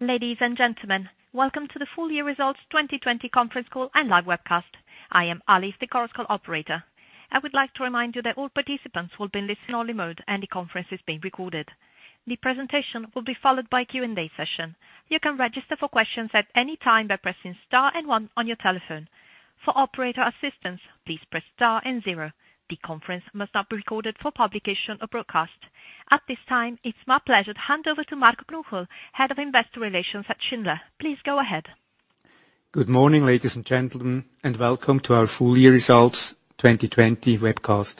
Ladies and gentlemen, welcome to the full year results 2020 conference call and live webcast. I am Alice, the conference call operator. I would like to remind you that all participants will be in listen-only mode, and the conference is being recorded. The presentation will be followed by a Q&A session. You can register for questions at any time by pressing star and one on your telephone. For operator assistance, please press star and zero. The conference must not be recorded for publication or broadcast. At this time, it's my pleasure to hand over to Marco Knuchel, Head of Investor Relations at Schindler. Please go ahead. Good morning, ladies and gentlemen, welcome to our full year results 2020 webcast.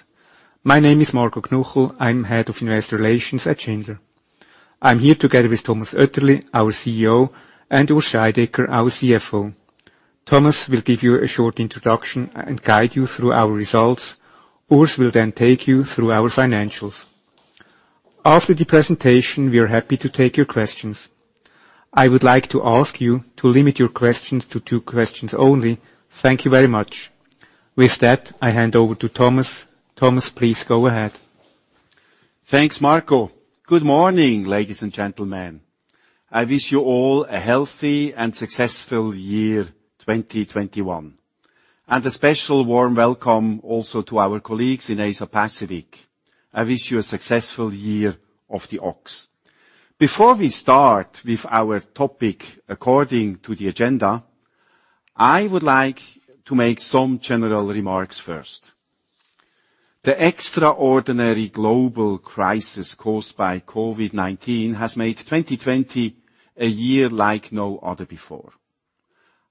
My name is Marco Knuchel. I am Head of Investor Relations at Schindler. I am here together with Thomas Oetterli, our CEO, and Urs Scheidegger, our CFO. Thomas will give you a short introduction and guide you through our results. Urs will take you through our financials. After the presentation, we are happy to take your questions. I would like to ask you to limit your questions to two questions only. Thank you very much. With that, I hand over to Thomas. Thomas, please go ahead. Thanks, Marco. Good morning, ladies and gentlemen. I wish you all a healthy and successful year 2021. A special warm welcome also to our colleagues in Asia Pacific. I wish you a successful year of the Ox. Before we start with our topic according to the agenda, I would like to make some general remarks first. The extraordinary global crisis caused by COVID-19 has made 2020 a year like no other before.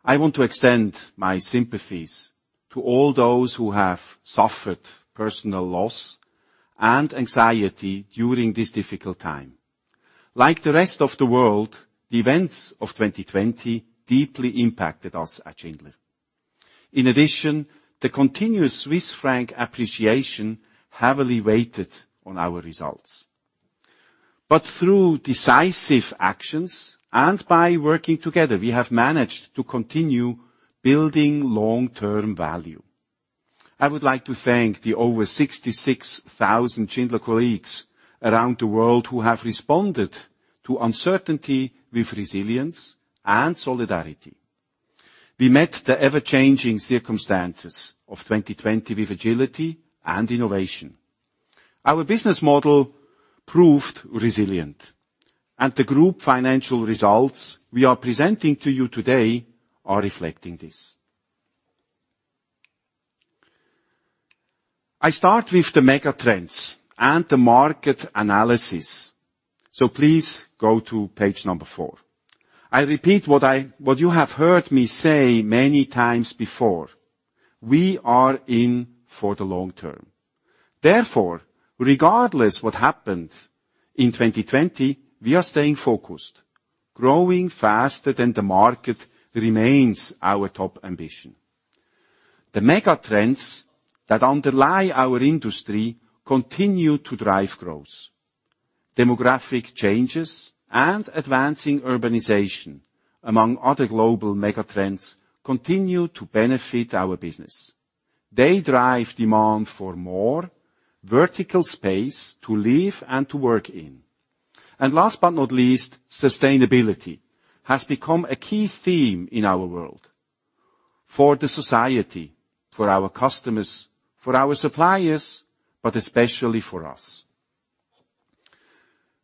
I want to extend my sympathies to all those who have suffered personal loss and anxiety during this difficult time. Like the rest of the world, the events of 2020 deeply impacted us at Schindler. In addition, the continuous Swiss franc appreciation heavily weighted on our results. Through decisive actions and by working together, we have managed to continue building long-term value. I would like to thank the over 66,000 Schindler colleagues around the world who have responded to uncertainty with resilience and solidarity. We met the ever-changing circumstances of 2020 with agility and innovation. Our business model proved resilient, and the group financial results we are presenting to you today are reflecting this. I start with the mega trends and the market analysis. Please go to page number four. I repeat what you have heard me say many times before. We are in for the long term. Therefore, regardless what happened in 2020, we are staying focused. Growing faster than the market remains our top ambition. The mega trends that underlie our industry continue to drive growth. Demographic changes and advancing urbanization, among other global mega trends, continue to benefit our business. They drive demand for more vertical space to live and to work in. Last but not least, sustainability has become a key theme in our world for the society, for our customers, for our suppliers, but especially for us.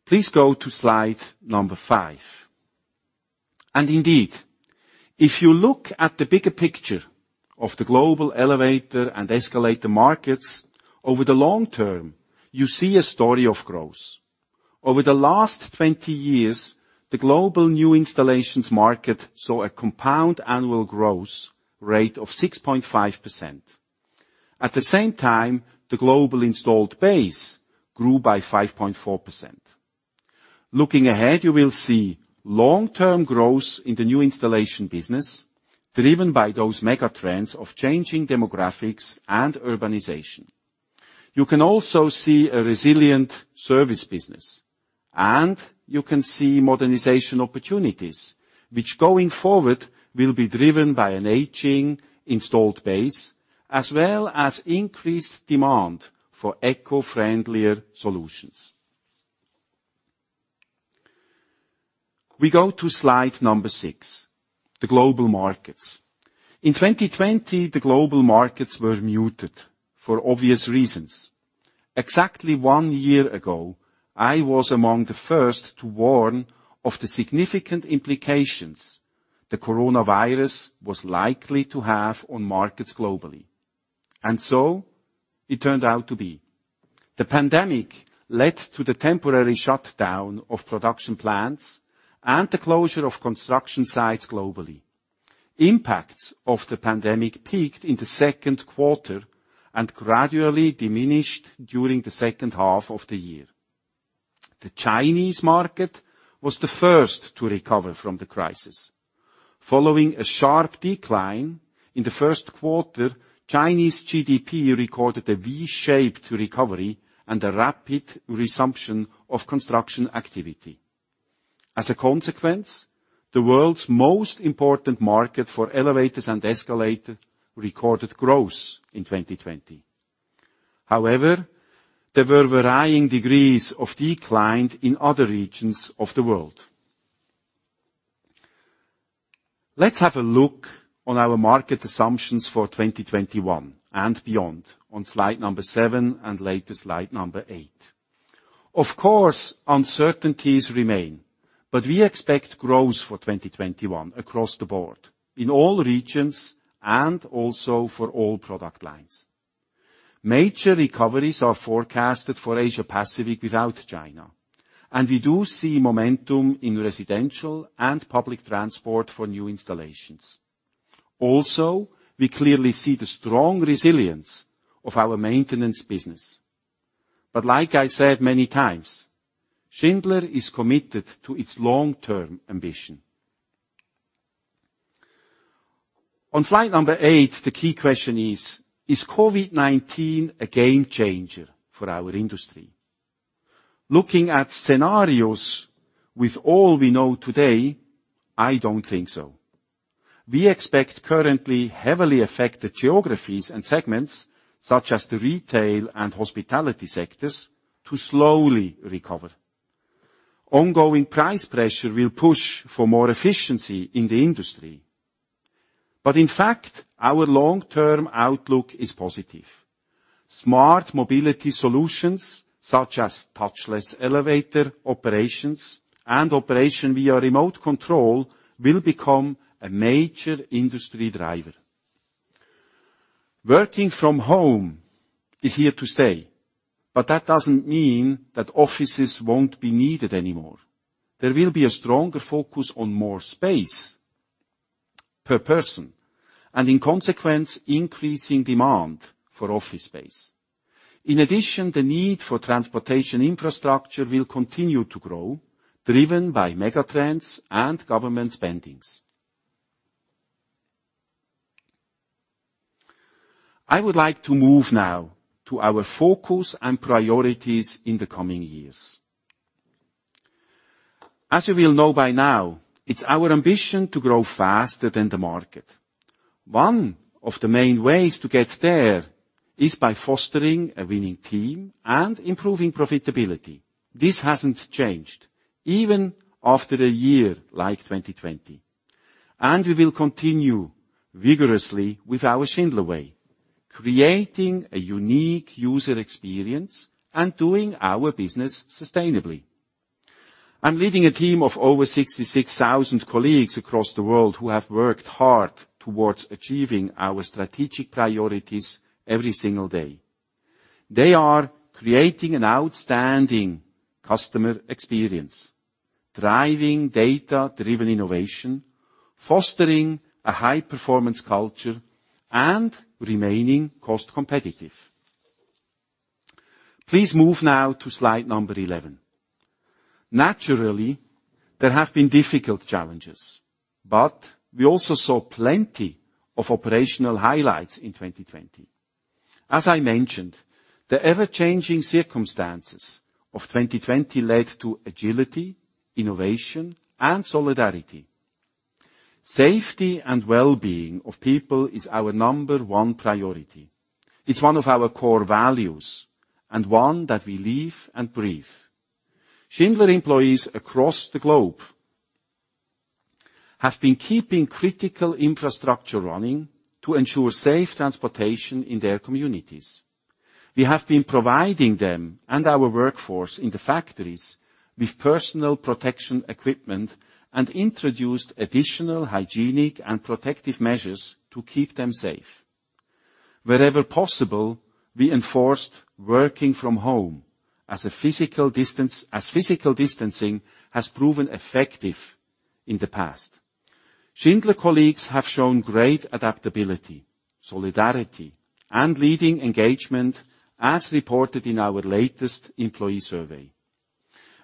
Please go to Slide 5. Indeed, if you look at the bigger picture of the global elevator and escalator markets over the long term, you see a story of growth. Over the last 20 years, the global new installations market saw a compound annual growth rate of 6.5%. At the same time, the global installed base grew by 5.4%. Looking ahead, you will see long-term growth in the new installation business, driven by those mega trends of changing demographics and urbanization. You can also see a resilient service business, and you can see modernization opportunities, which going forward will be driven by an aging installed base, as well as increased demand for eco-friendlier solutions. We go to Slide 6, the global markets. In 2020, the global markets were muted for obvious reasons. It turned out to be. Exactly one year ago, I was among the first to warn of the significant implications the coronavirus was likely to have on markets globally. The pandemic led to the temporary shutdown of production plants and the closure of construction sites globally. Impacts of the pandemic peaked in the second quarter and gradually diminished during the second half of the year. The Chinese market was the first to recover from the crisis. Following a sharp decline in the first quarter, Chinese GDP recorded a V-shaped recovery and a rapid resumption of construction activity. As a consequence, the world's most important market for elevators and escalators recorded growth in 2020. However, there were varying degrees of decline in other regions of the world. Let's have a look on our market assumptions for 2021 and beyond on Slide 7 and later, Slide 8. Of course, uncertainties remain, but we expect growth for 2021 across the board, in all regions, and also for all product lines. Major recoveries are forecasted for Asia-Pacific without China, and we do see momentum in residential and public transport for new installations. We clearly see the strong resilience of our maintenance business. Like I said many times, Schindler is committed to its long-term ambition. On Slide 8, the key question is: Is COVID-19 a game changer for our industry? Looking at scenarios with all we know today, I don't think so. We expect currently heavily affected geographies and segments, such as the retail and hospitality sectors, to slowly recover. Ongoing price pressure will push for more efficiency in the industry. In fact, our long-term outlook is positive. Smart mobility solutions, such as touchless elevator operations and operations via remote control, will become a major industry driver. Working from home is here to stay, that doesn't mean that offices won't be needed anymore. There will be a stronger focus on more space per person, and in consequence, increasing demand for office space. In addition, the need for transportation infrastructure will continue to grow, driven by megatrends and government spendings. I would like to move now to our focus and priorities in the coming years. As you will know by now, it's our ambition to grow faster than the market. One of the main ways to get there is by fostering a winning team and improving profitability. This hasn't changed, even after a year like 2020. We will continue vigorously with our Schindler way, creating a unique user experience and doing our business sustainably. I'm leading a team of over 66,000 colleagues across the world who have worked hard towards achieving our strategic priorities every single day. They are creating an outstanding customer experience, driving data-driven innovation, fostering a high-performance culture, and remaining cost-competitive. Please move now to Slide 11. Naturally, there have been difficult challenges, but we also saw plenty of operational highlights in 2020. As I mentioned, the ever-changing circumstances of 2020 led to agility, innovation, and solidarity. Safety and well-being of people is our number one priority. It's one of our core values and one that we live and breathe. Schindler employees across the globe have been keeping critical infrastructure running to ensure safe transportation in their communities. We have been providing them and our workforce in the factories with personal protection equipment and introduced additional hygienic and protective measures to keep them safe. Wherever possible, we enforced working from home, as physical distancing has proven effective in the past. Schindler colleagues have shown great adaptability, solidarity, and leading engagement, as reported in our latest employee survey.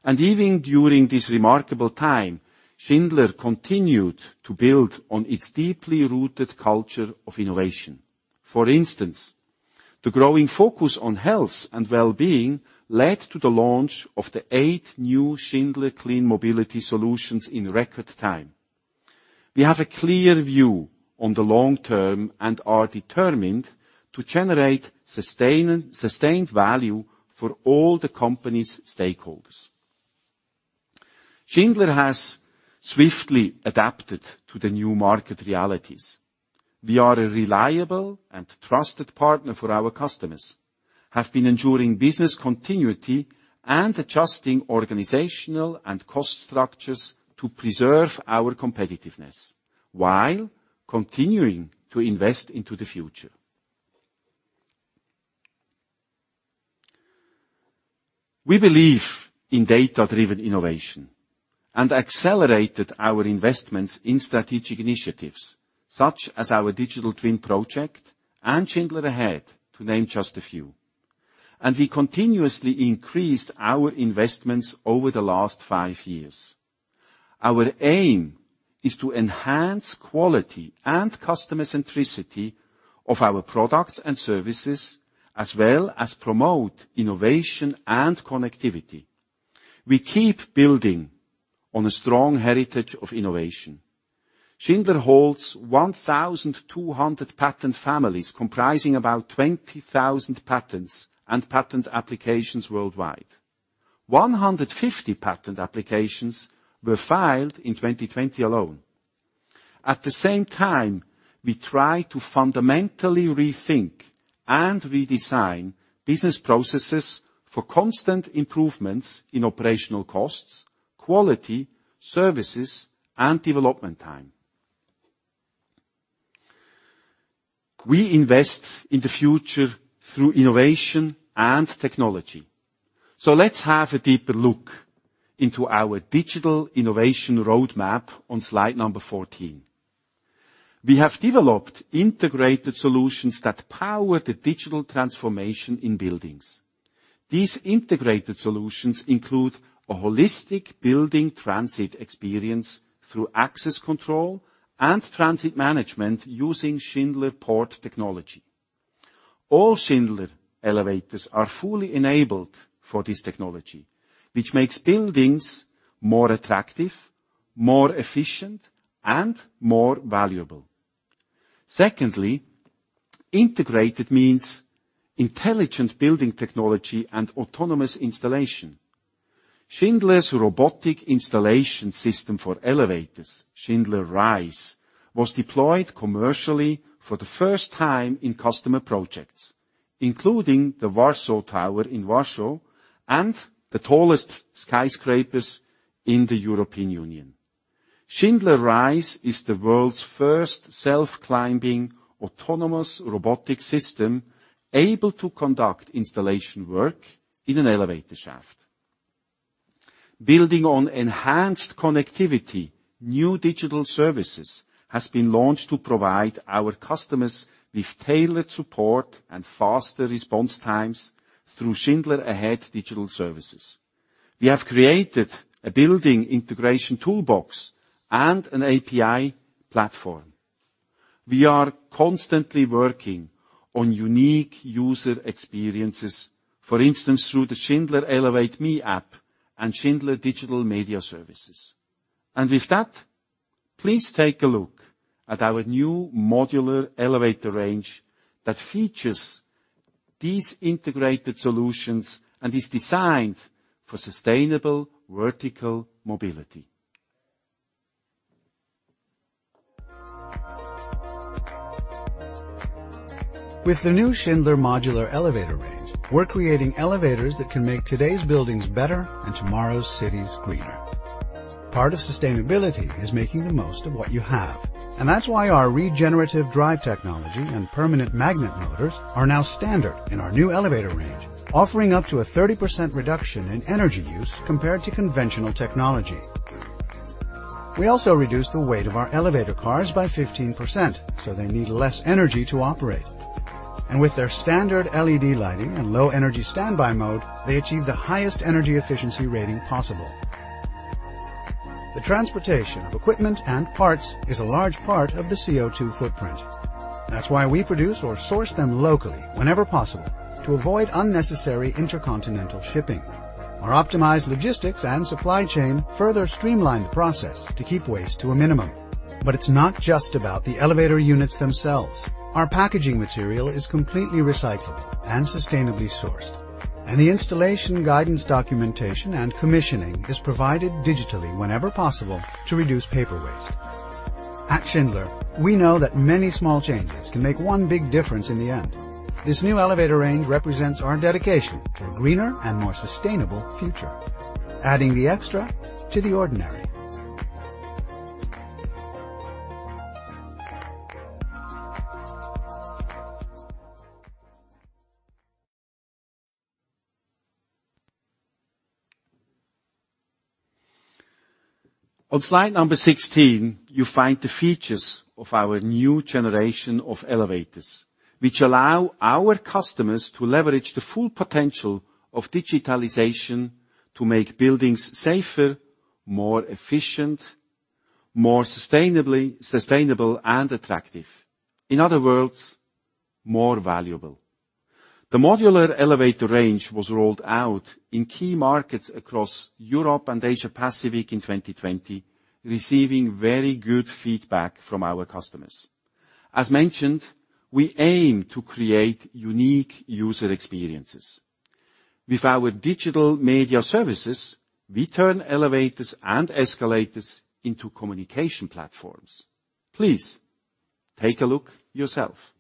Even during this remarkable time, Schindler continued to build on its deeply rooted culture of innovation. For instance, the growing focus on health and well-being led to the launch of the eight new Schindler CleanMobility solutions in record time. We have a clear view on the long term and are determined to generate sustained value for all the company's stakeholders. Schindler has swiftly adapted to the new market realities. We are a reliable and trusted partner for our customers, have been ensuring business continuity, and adjusting organizational and cost structures to preserve our competitiveness while continuing to invest into the future. We believe in data-driven innovation and accelerated our investments in strategic initiatives, such as our Digital Twin project and Schindler Ahead, to name just a few. We continuously increased our investments over the last five years. Our aim is to enhance quality and customer centricity of our products and services, as well as promote innovation and connectivity. We keep building on a strong heritage of innovation. Schindler holds 1,200 patent families comprising about 20,000 patents and patent applications worldwide. 150 patent applications were filed in 2020 alone. At the same time, we try to fundamentally rethink and redesign business processes for constant improvements in operational costs, quality, services, and development time. We invest in the future through innovation and technology. Let's have a deeper look into our digital innovation roadmap on Slide 14. We have developed integrated solutions that power the digital transformation in buildings. These integrated solutions include a holistic building transit experience through access control and transit management using Schindler PORT Technology. All Schindler elevators are fully enabled for this technology, which makes buildings more attractive, more efficient, and more valuable. Secondly, integrated means intelligent building technology and autonomous installation. Schindler's Robotic Installation System for Elevators, Schindler R.I.S.E., was deployed commercially for the first time in customer projects, including the Varso Tower in Warsaw and the tallest skyscrapers in the European Union. Schindler R.I.S.E. is the world's first self-climbing, autonomous robotic system able to conduct installation work in an elevator shaft. Building on enhanced connectivity, new digital services has been launched to provide our customers with tailored support and faster response times through Schindler Ahead Digital Services. We have created a building integration toolbox and an API platform. We are constantly working on unique user experiences, for instance, through the Schindler ElevateMe app and Schindler Digital Media Services. With that, please take a look at our new modular elevator range that features these integrated solutions and is designed for sustainable vertical mobility. With the new Schindler modular elevator range, we're creating elevators that can make today's buildings better and tomorrow's cities greener. Part of sustainability is making the most of what you have, and that's why our regenerative drive technology and permanent magnet motors are now standard in our new elevator range, offering up to a 30% reduction in energy use compared to conventional technology. We also reduced the weight of our elevator cars by 15%, so they need less energy to operate. With their standard LED lighting and low-energy standby mode, they achieve the highest energy efficiency rating possible. The transportation of equipment and parts is a large part of the CO2 footprint. That's why we produce or source them locally whenever possible to avoid unnecessary intercontinental shipping. Our optimized logistics and supply chain further streamline the process to keep waste to a minimum. It's not just about the elevator units themselves. Our packaging material is completely recyclable and sustainably sourced, and the installation guidance documentation and commissioning is provided digitally whenever possible to reduce paper waste. At Schindler, we know that many small changes can make one big difference in the end. This new elevator range represents our dedication to a greener and more sustainable future, adding the extra to the ordinary. On Slide 16, you find the features of our new generation of elevators, which allow our customers to leverage the full potential of digitalization to make buildings safer, more efficient, more sustainable, and attractive. In other words, more valuable. The modular elevator range was rolled out in key markets across Europe and Asia Pacific in 2020, receiving very good feedback from our customers. As mentioned, we aim to create unique user experiences. With our digital media services, we turn elevators and escalators into communication platforms. Please, take a look yourself.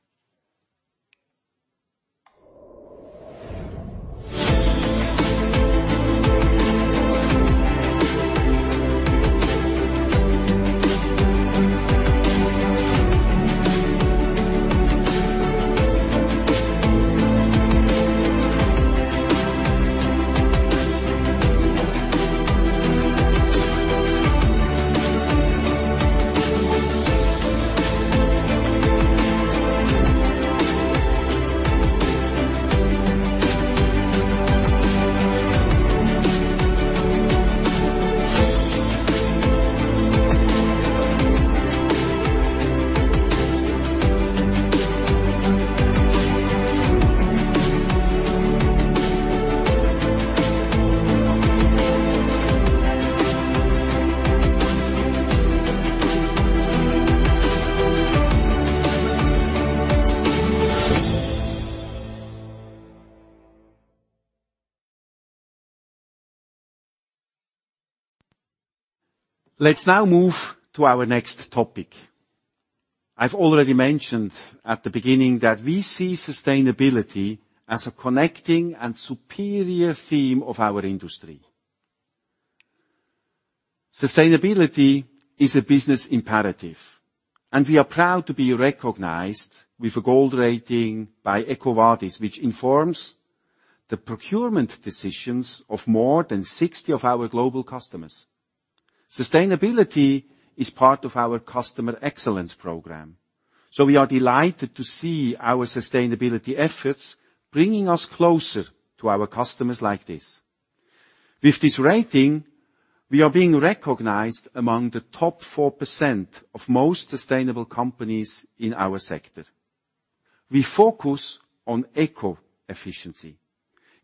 Let's now move to our next topic. I've already mentioned at the beginning that we see sustainability as a connecting and superior theme of our industry. Sustainability is a business imperative. We are proud to be recognized with a gold rating by EcoVadis, which informs the procurement decisions of more than 60 of our global customers. Sustainability is part of our customer excellence program, so we are delighted to see our sustainability efforts bringing us closer to our customers like this. With this rating, we are being recognized among the top 4% of most sustainable companies in our sector. We focus on eco-efficiency.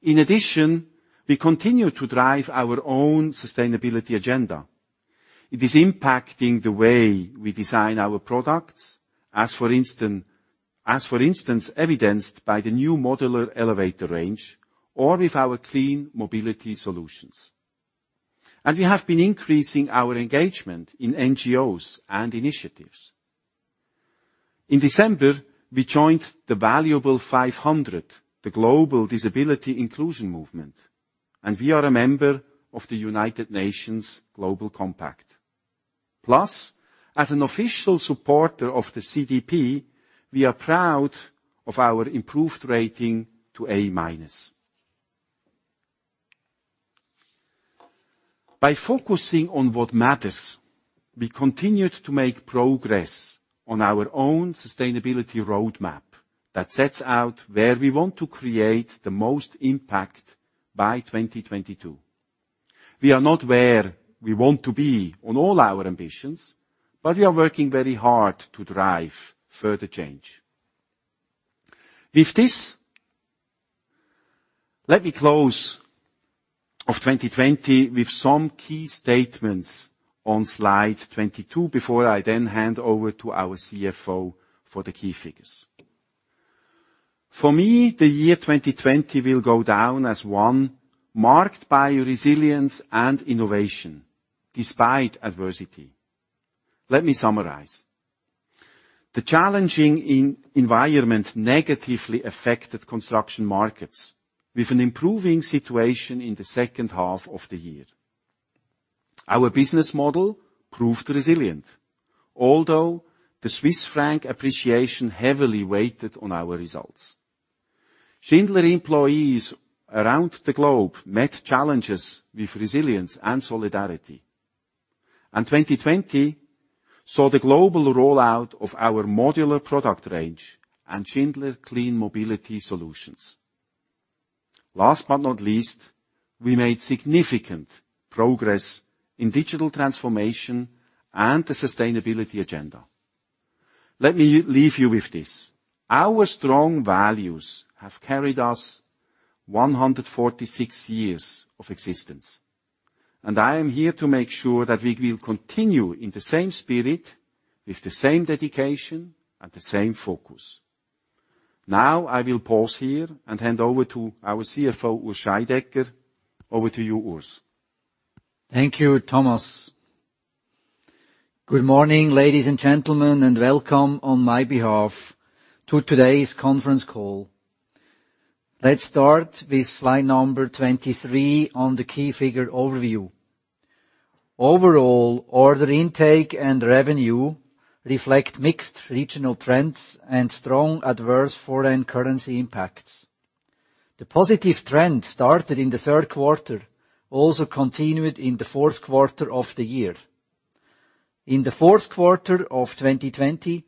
In addition, we continue to drive our own sustainability agenda. It is impacting the way we design our products, as for instance, evidenced by the new Modular Elevator Range or with our CleanMobility Solutions. We have been increasing our engagement in NGOs and initiatives. In December, we joined The Valuable 500, the global disability inclusion movement, and we are a member of the United Nations Global Compact. Plus, as an official supporter of the CDP, we are proud of our improved rating to A-minus. By focusing on what matters, we continued to make progress on our own sustainability roadmap that sets out where we want to create the most impact by 2022. We are not where we want to be on all our ambitions, but we are working very hard to drive further change. With this, let me close of 2020 with some key statements on Slide 22 before I then hand over to our CFO for the key figures. For me, the year 2020 will go down as one marked by resilience and innovation despite adversity. Let me summarize. The challenging environment negatively affected construction markets, with an improving situation in the second half of the year. Our business model proved resilient, although the Swiss franc appreciation heavily weighted on our results. Schindler employees around the globe met challenges with resilience and solidarity. 2020 saw the global rollout of our modular product range and Schindler CleanMobility Solutions. Last but not least, we made significant progress in digital transformation and the sustainability agenda. Let me leave you with this. Our strong values have carried us 146 years of existence, and I am here to make sure that we will continue in the same spirit, with the same dedication and the same focus. Now, I will pause here and hand over to our CFO, Urs Scheidegger. Over to you, Urs. Thank you, Thomas. Good morning, ladies and gentlemen, and welcome on my behalf to today's conference call. Let's start with Slide 23 on the key figure overview. Overall, order intake and revenue reflect mixed regional trends and strong adverse foreign currency impacts. The positive trend started in the third quarter also continued in the fourth quarter of the year. In the fourth quarter of 2020,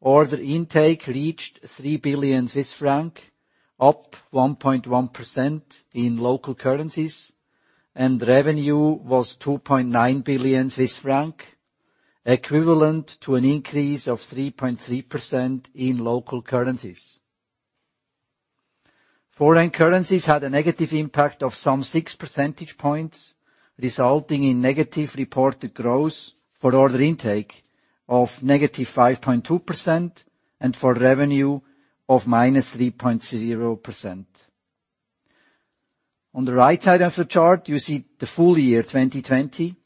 order intake reached 3 billion Swiss francs, up 1.1% in local currencies, and revenue was 2.9 billion Swiss franc, equivalent to an increase of 3.3% in local currencies. Foreign currencies had a negative impact of some six percentage points, resulting in negative reported growth for order intake of -5.2% and for revenue of -3.0%. On the right side of the chart, you see the full year 2020.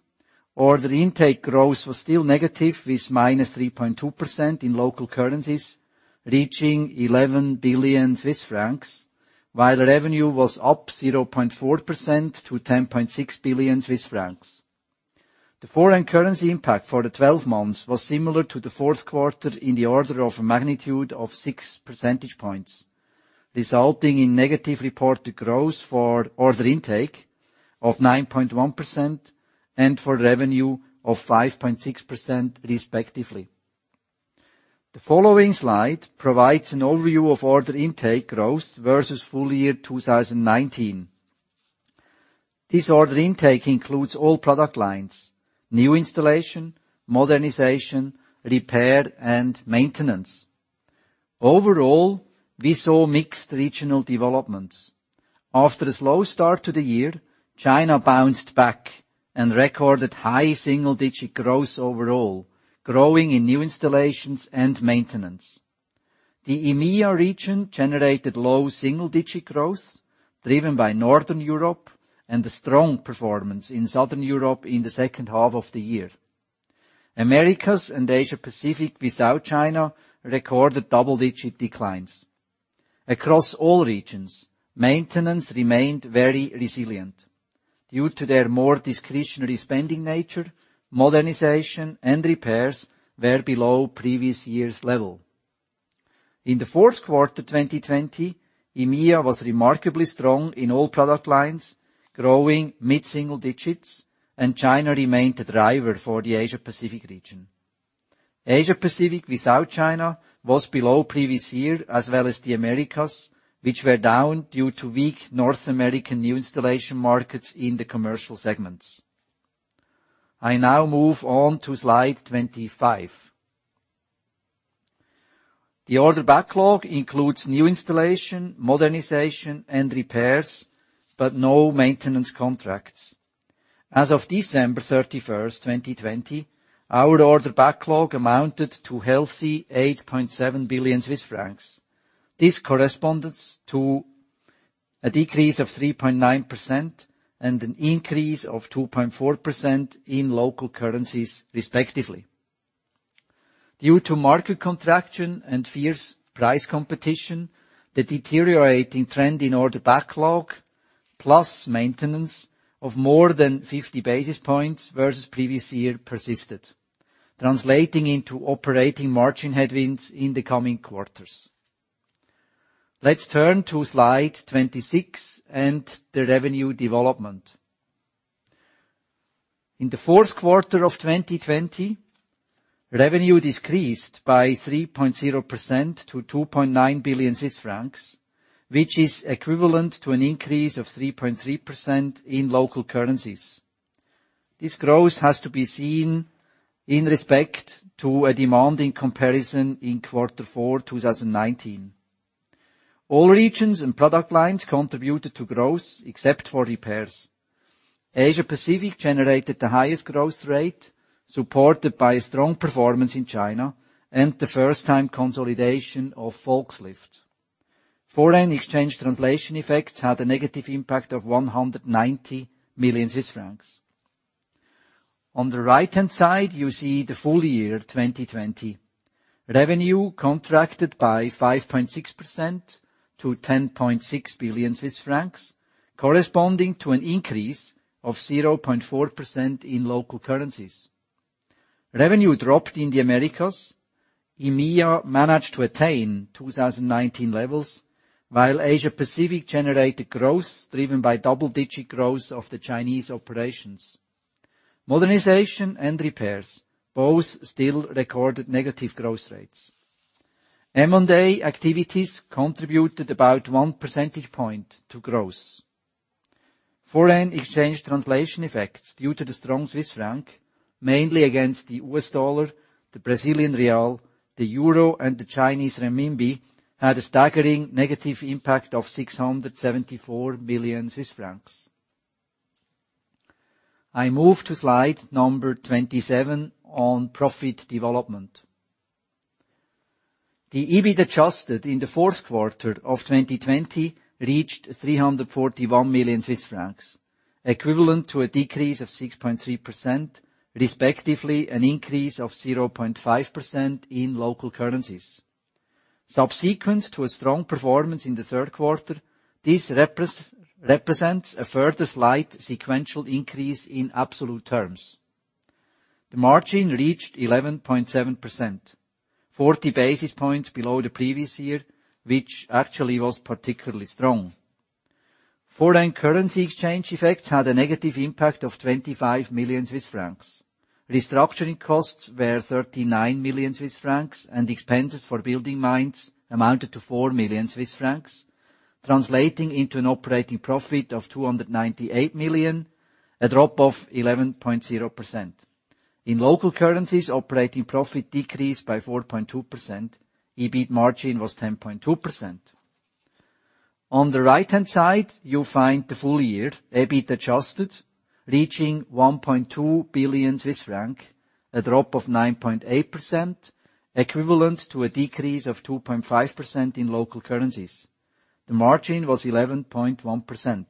Order intake growth was still negative with -3.2% in local currencies, reaching 11 billion Swiss francs, while revenue was up 0.4% to 10.6 billion Swiss francs. The foreign currency impact for the 12 months was similar to the fourth quarter in the order of magnitude of six percentage points, resulting in negative reported growth for order intake of 9.1% and for revenue of 5.6% respectively. The following slide provides an overview of order intake growth versus full year 2019. This order intake includes all product lines, new installation, modernization, repair, and maintenance. Overall, we saw mixed regional developments. After a slow start to the year, China bounced back and recorded high single-digit growth overall, growing in new installations and maintenance. The EMEA region generated low single-digit growth driven by Northern Europe and a strong performance in Southern Europe in the second half of the year. Americas and Asia-Pacific without China recorded double-digit declines. Across all regions, maintenance remained very resilient. Due to their more discretionary spending nature, modernization and repairs were below previous year's level. In the fourth quarter 2020, EMEA was remarkably strong in all product lines, growing mid-single digits, and China remained a driver for the Asia-Pacific region. Asia-Pacific without China was below previous year, as well as the Americas, which were down due to weak North American new installation markets in the commercial segments. I now move on to Slide 25. The order backlog includes new installation, modernization, and repairs, but no maintenance contracts. As of December 31st, 2020, our order backlog amounted to healthy 8.7 billion Swiss francs. This corresponds to a decrease of 3.9% and an increase of 2.4% in local currencies respectively. Due to market contraction and fierce price competition, the deteriorating trend in order backlog, plus maintenance of more than 50 basis points versus previous year persisted, translating into operating margin headwinds in the coming quarters. Let's turn to Slide 26 and the revenue development. In the fourth quarter of 2020, revenue decreased by 3.0% to 2.9 billion Swiss francs, which is equivalent to an increase of 3.3% in local currencies. This growth has to be seen in respect to a demanding comparison in quarter four 2019. All regions and product lines contributed to growth except for repairs. Asia-Pacific generated the highest growth rate, supported by a strong performance in China and the first-time consolidation of Volkslift. Foreign exchange translation effects had a negative impact of 190 million Swiss francs. On the right-hand side, you see the full year 2020. Revenue contracted by 5.6% to 10.6 billion Swiss francs, corresponding to an increase of 0.4% in local currencies. Revenue dropped in the Americas. EMEA managed to attain 2019 levels, while Asia-Pacific generated growth driven by double-digit growth of the Chinese operations. Modernization and repairs both still recorded negative growth rates. M&A activities contributed about one percentage point to growth. Foreign exchange translation effects due to the strong Swiss franc, mainly against the US dollar, the Brazilian real, the euro, and the Chinese renminbi, had a staggering negative impact of 674 million Swiss francs. I move to Slide 27 on profit development. The EBIT adjusted in the fourth quarter of 2020 reached 341 million Swiss francs, equivalent to a decrease of 6.3%, respectively an increase of 0.5% in local currencies. Subsequent to a strong performance in the third quarter, this represents a further slight sequential increase in absolute terms. The margin reached 11.7%, 40 basis points below the previous year, which actually was particularly strong. Foreign currency exchange effects had a negative impact of 25 million Swiss francs. Restructuring costs were 39 million Swiss francs, and expenses for BuildingMinds amounted to 4 million Swiss francs, translating into an operating profit of 298 million, a drop of 11.0%. In local currencies, operating profit decreased by 4.2%. EBIT margin was 10.2%. On the right-hand side, you'll find the full year EBIT adjusted, reaching 1.2 billion Swiss franc, a drop of 9.8%, equivalent to a decrease of 2.5% in local currencies. The margin was 11.1%.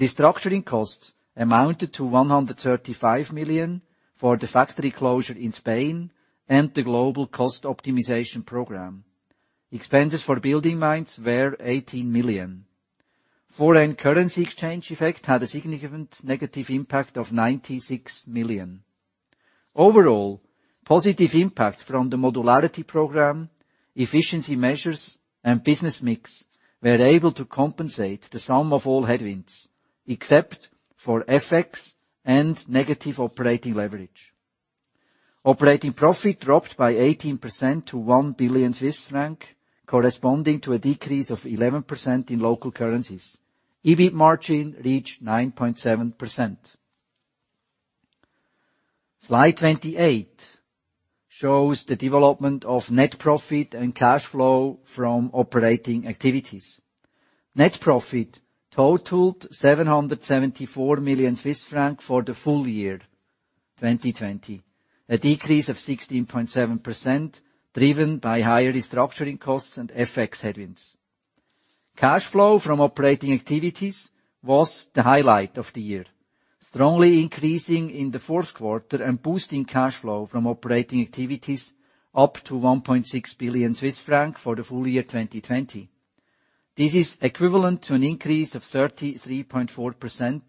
Restructuring costs amounted to 135 million for the factory closure in Spain and the global cost optimization program. Expenses for BuildingMinds were 18 million. Foreign currency exchange effect had a significant negative impact of 96 million. Overall, positive impact from the modularity program, efficiency measures, and business mix were able to compensate the sum of all headwinds, except for FX and negative operating leverage. Operating profit dropped by 18% to 1 billion Swiss franc, corresponding to a decrease of 11% in local currencies. EBIT margin reached 9.7%. Slide 28 shows the development of net profit and cash flow from operating activities. Net profit totaled 774 million Swiss francs for the full year 2020, a decrease of 16.7%, driven by higher restructuring costs and FX headwinds. Cash flow from operating activities was the highlight of the year, strongly increasing in the fourth quarter and boosting cash flow from operating activities up to 1.6 billion Swiss francs for the full year 2020. This is equivalent to an increase of 33.4%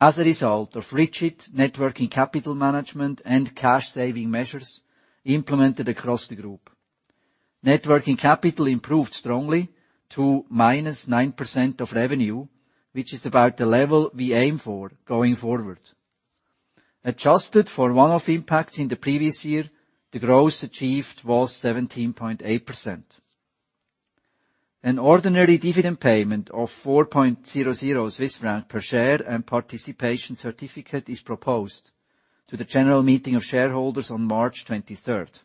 as a result of rigid net working capital management and cash-saving measures implemented across the group. Net working capital improved strongly to -9% of revenue, which is about the level we aim for going forward. Adjusted for one-off impacts in the previous year, the growth achieved was 17.8%. An ordinary dividend payment of 4.00 Swiss franc per share and participation certificate is proposed to the general meeting of shareholders on March 23rd.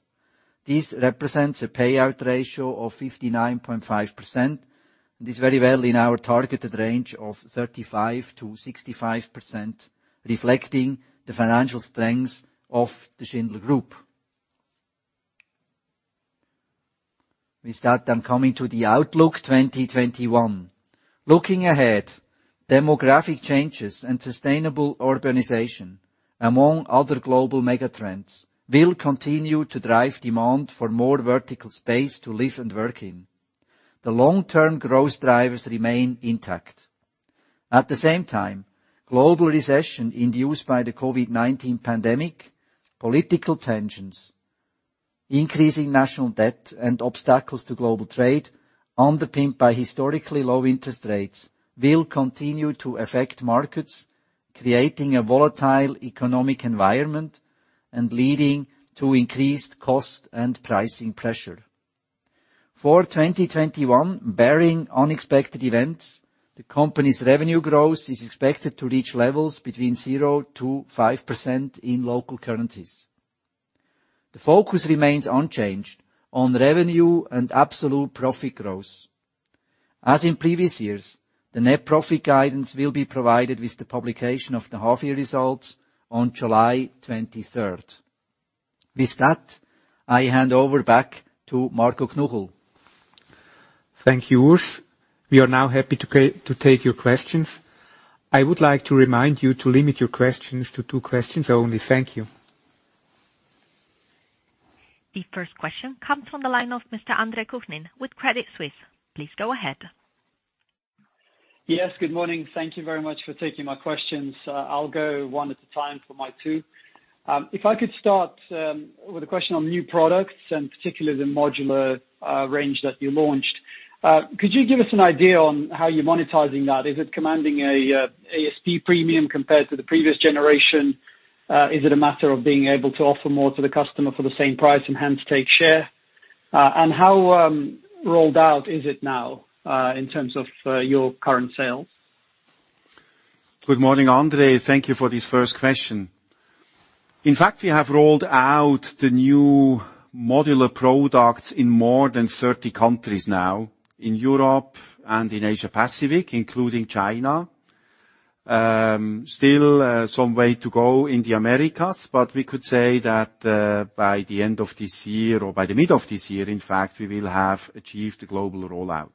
This represents a payout ratio of 59.5% and is very well in our targeted range of 35%-65%, reflecting the financial strengths of the Schindler Group. We start, then, coming to the outlook 2021. Looking ahead, demographic changes and sustainable urbanization, among other global mega trends, will continue to drive demand for more vertical space to live and work in. The long-term growth drivers remain intact. At the same time, global recession induced by the COVID-19 pandemic, political tensions, increasing national debt, and obstacles to global trade underpinned by historically low interest rates will continue to affect markets, creating a volatile economic environment and leading to increased cost and pricing pressure. For 2021, barring unexpected events, the company's revenue growth is expected to reach levels between 0% to 5% in local currencies. The focus remains unchanged on revenue and absolute profit growth. As in previous years, the net profit guidance will be provided with the publication of the half-year results on July 23rd. With that, I hand over back to Marco Knuchel. Thank you, Urs. We are now happy to take your questions. I would like to remind you to limit your questions to two questions only. Thank you. The first question comes from the line of Mr. Andre Kukhnin with Credit Suisse. Please go ahead. Yes, good morning. Thank you very much for taking my questions. I'll go one at a time for my two. If I could start with a question on new products, and particularly the Modular range that you launched. Could you give us an idea on how you're monetizing that? Is it commanding a SD premium compared to the previous generation? Is it a matter of being able to offer more to the customer for the same price and hence take share? How rolled out is it now in terms of your current sales? Good morning, Andre. Thank you for this first question. In fact, we have rolled out the new modular products in more than 30 countries now in Europe and in Asia Pacific, including China. Still some way to go in the Americas, but we could say that by the end of this year or by the middle of this year, in fact, we will have achieved the global rollout.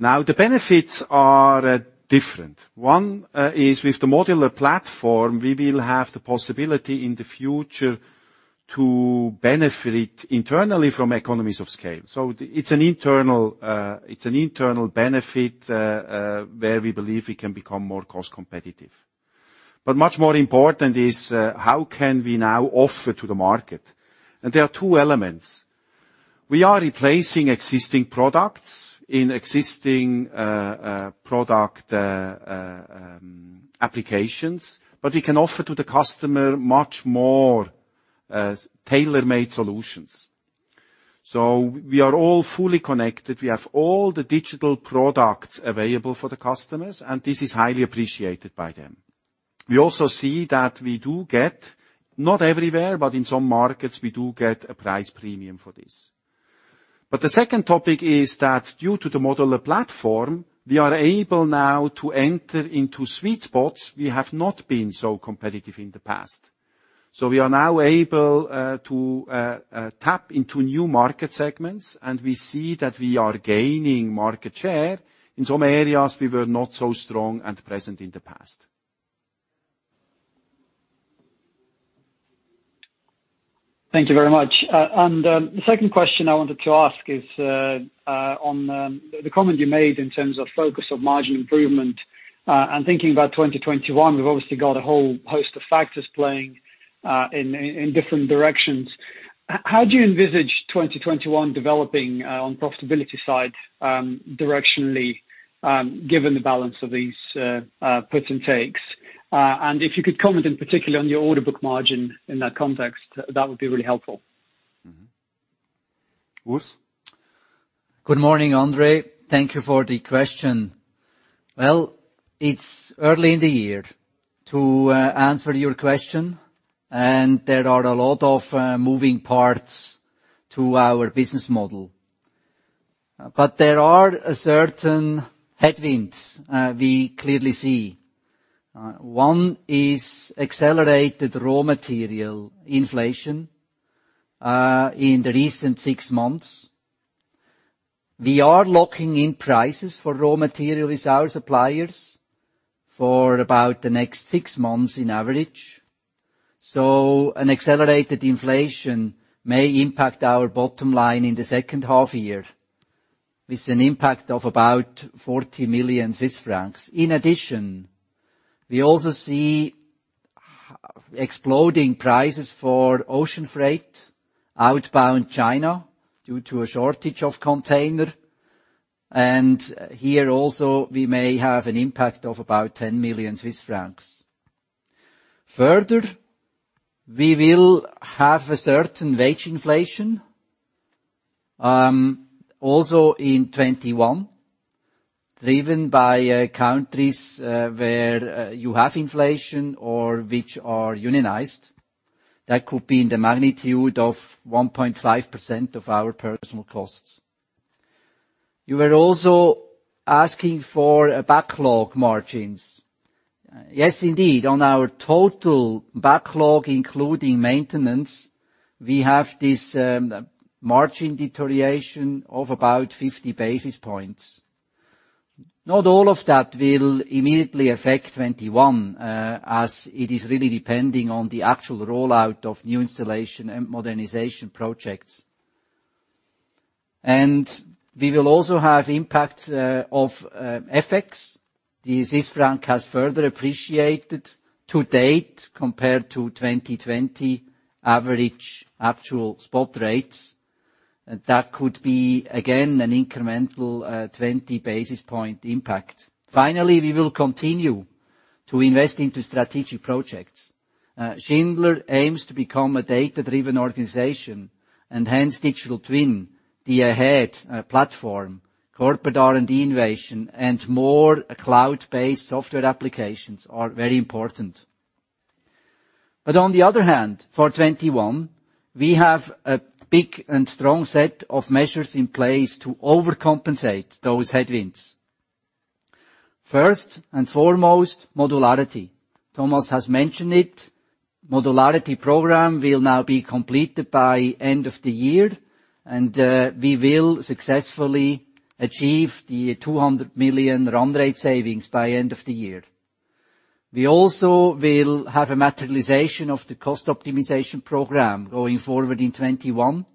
The benefits are different. One is with the modular platform, we will have the possibility in the future to benefit internally from economies of scale. It's an internal benefit, where we believe we can become more cost competitive. Much more important is how can we now offer to the market? There are two elements. We are replacing existing products in existing product applications, but we can offer to the customer much more tailor-made solutions. We are all fully connected. We have all the digital products available for the customers, and this is highly appreciated by them. We also see that we do get, not everywhere, but in some markets, we do get a price premium for this. The second topic is that due to the modular platform, we are able now to enter into sweet spots we have not been so competitive in the past. We are now able to tap into new market segments, and we see that we are gaining market share in some areas we were not so strong and present in the past. Thank you very much. The second question I wanted to ask is on the comment you made in terms of focus of margin improvement, and thinking about 2021, we've obviously got a whole host of factors playing in different directions. How do you envisage 2021 developing on profitability side directionally, given the balance of these puts and takes? If you could comment in particular on your order book margin in that context, that would be really helpful. Urs? Good morning, Andre. Thank you for the question. Well, it's early in the year to answer your question, and there are a lot of moving parts to our business model. There are a certain headwinds we clearly see. One is accelerated raw material inflation in the recent six months. We are locking in prices for raw material with our suppliers for about the next six months, in average. An accelerated inflation may impact our bottom line in the second half year, with an impact of about 40 million Swiss francs. In addition, we also see exploding prices for ocean freight outbound China due to a shortage of container, and here also, we may have an impact of about 10 million Swiss francs. Further, we will have a certain wage inflation, also in 2021, driven by countries where you have inflation or which are unionized. That could be in the magnitude of 1.5% of our personnel costs. You were also asking for backlog margins. Yes, indeed, on our total backlog, including maintenance, we have this margin deterioration of about 50 basis points. Not all of that will immediately affect 2021, as it is really depending on the actual rollout of new installation and modernization projects. We will also have impacts of effects. The Swiss franc has further appreciated to date compared to 2020 average actual spot rates. That could be, again, an incremental 20 basis point impact. Finally, we will continue to invest into strategic projects. Schindler aims to become a data-driven organization and hence, Digital Twin, the Ahead platform, corporate R&D innovation, and more cloud-based software applications are very important. On the other hand, for 2021, we have a big and strong set of measures in place to overcompensate those headwinds. First and foremost, modularity. Thomas has mentioned it. Modularity Program will now be completed by end of the year. We will successfully achieve the 200 million run rate savings by end of the year. We also will have a materialization of the Cost Optimization Program going forward in 2021.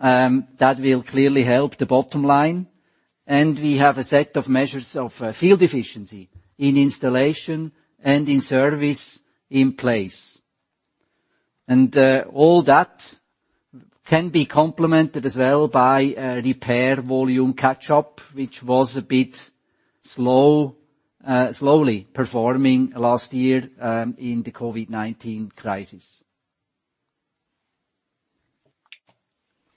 That will clearly help the bottom line. We have a set of measures of field efficiency in installation and in service in place. All that can be complemented as well by repair volume catch-up, which was a bit slowly performing last year in the COVID-19 crisis.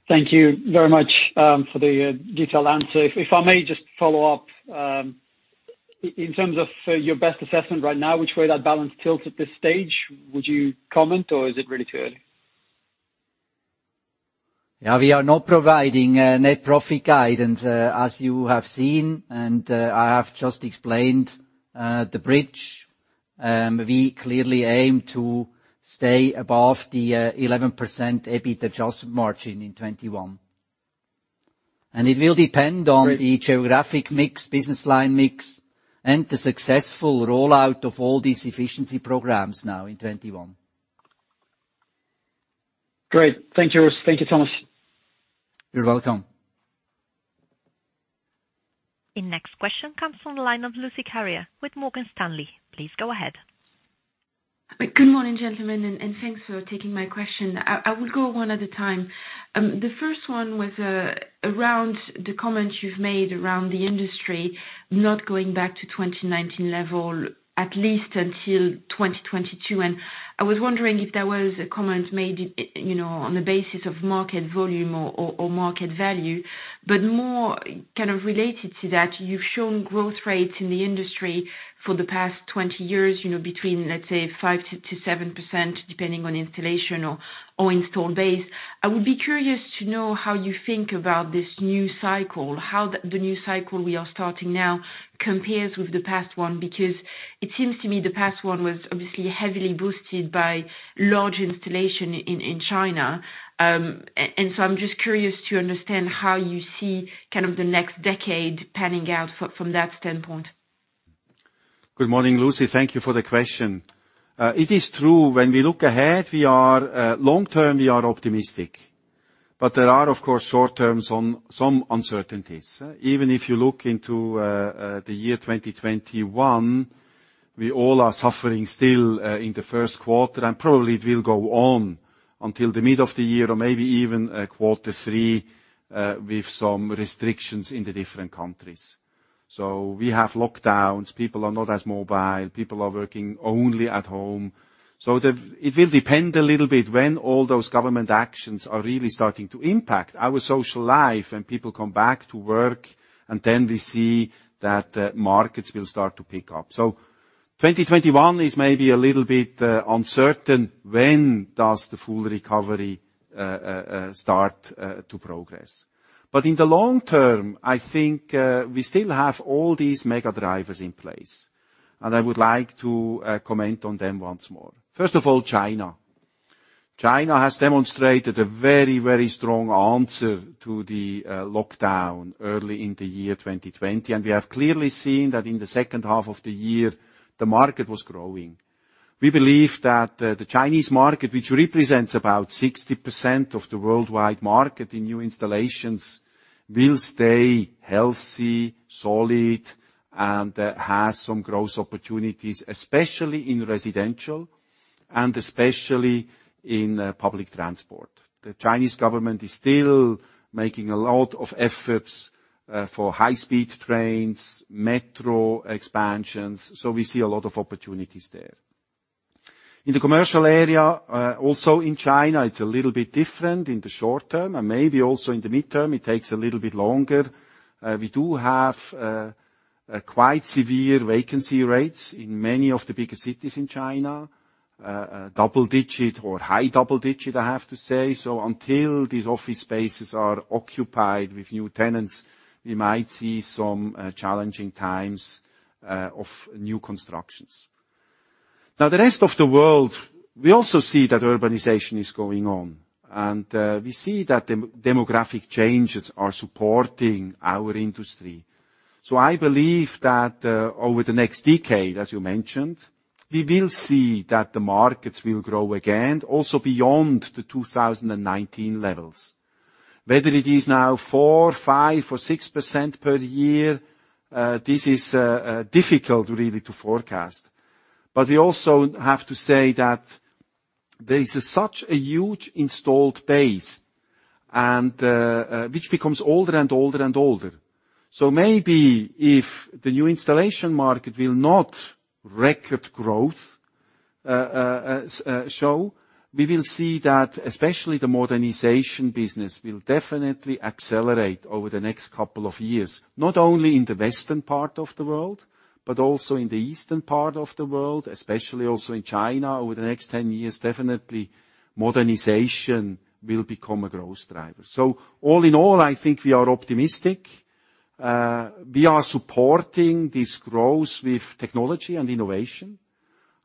Thank you very much for the detailed answer. If I may just follow up. In terms of your best assessment right now, which way that balance tilts at this stage, would you comment or is it really too early? Yeah, we are not providing net profit guidance, as you have seen, and I have just explained the bridge. We clearly aim to stay above the 11% EBIT adjustment margin in 2021. It will depend on the geographic mix, business line mix, and the successful rollout of all these efficiency programs now in 2021. Great. Thank you, Urs. Thank you, Thomas. You're welcome. The next question comes from the line of Lucie Carrier with Morgan Stanley. Please go ahead. Good morning, gentlemen. Thanks for taking my question. I will go one at a time. The first one was around the comments you've made around the industry not going back to 2019 level, at least until 2022. I was wondering if there was a comment made on the basis of market volume or market value. More kind of related to that, you've shown growth rates in the industry for the past 20 years, between, let's say, 5%-7%, depending on installation or installed base. I would be curious to know how you think about this new cycle, how the new cycle we are starting now compares with the past one, because it seems to me the past one was obviously heavily boosted by large installation in China. I'm just curious to understand how you see the next decade panning out from that standpoint. Good morning, Lucie. Thank you for the question. It is true when we look ahead, long-term, we are optimistic. There are, of course, short terms on some uncertainties. Even if you look into the year 2021, we all are suffering still in the first quarter, and probably it will go on until the middle of the year or maybe even quarter three, with some restrictions in the different countries. We have lockdowns. People are not as mobile. People are working only at home. It will depend a little bit when all those government actions are really starting to impact our social life and people come back to work, and then we see that markets will start to pick up. 2021 is maybe a little bit uncertain, when does the full recovery start to progress? In the long term, I think we still have all these mega drivers in place, and I would like to comment on them once more. First of all, China. China has demonstrated a very strong answer to the lockdown early in the year 2020, and we have clearly seen that in the second half of the year, the market was growing. We believe that the Chinese market, which represents about 60% of the worldwide market in new installations, will stay healthy, solid, and has some growth opportunities, especially in residential and especially in public transport. The Chinese government is still making a lot of efforts for high-speed trains, metro expansions, we see a lot of opportunities there. In the commercial area, also in China, it's a little bit different in the short term and maybe also in the midterm, it takes a little bit longer. We do have quite severe vacancy rates in many of the bigger cities in China. Double digit or high double digit, I have to say. Until these office spaces are occupied with new tenants, we might see some challenging times of new constructions. The rest of the world, we also see that urbanization is going on, and we see that demographic changes are supporting our industry. I believe that over the next decade, as you mentioned, we will see that the markets will grow again, also beyond the 2019 levels. Whether it is now four, five or six% per year, this is difficult really to forecast. We also have to say that there is such a huge installed base, which becomes older and older. Maybe if the new installation market will not record growth show, we will see that especially the modernization business will definitely accelerate over the next couple of years, not only in the western part of the world, but also in the eastern part of the world, especially also in China. Over the next 10 years, definitely modernization will become a growth driver. All in all, I think we are optimistic. We are supporting this growth with technology and innovation.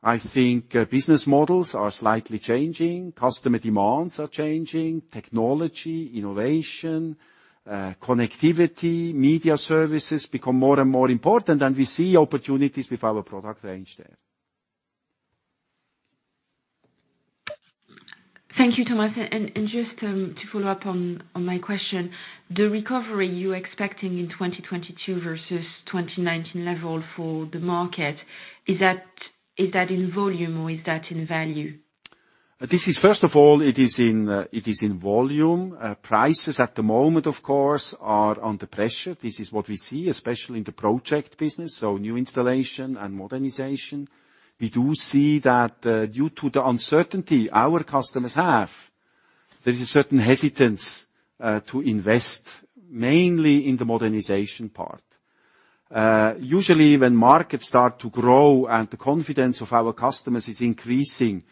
I think business models are slightly changing. Customer demands are changing. Technology, innovation, connectivity, media services become more and more important, and we see opportunities with our product range there. Thank you, Thomas. Just to follow up on my question, the recovery you're expecting in 2022 versus 2019 level for the market, is that in volume or is that in value? First of all, it is in volume. Prices at the moment, of course, are under pressure. This is what we see, especially in the project business, so new installation and modernization. We do see that due to the uncertainty our customers have, there is a certain hesitance to invest, mainly in the modernization part. Usually, when markets start to grow and the confidence of our customers is increasing,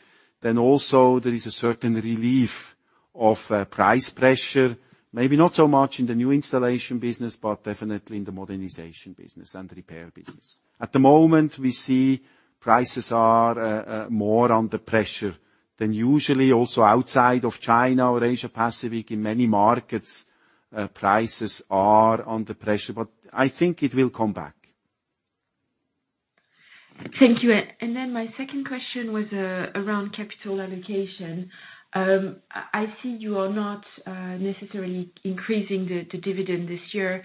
then also there is a certain relief of price pressure. Maybe not so much in the new installation business, but definitely in the modernization business and repair business. At the moment, we see prices are more under pressure than usually. Also, outside of China or Asia Pacific, in many markets, prices are under pressure. I think it will come back. Thank you. Then my second question was around capital allocation. I see you are not necessarily increasing the dividend this year.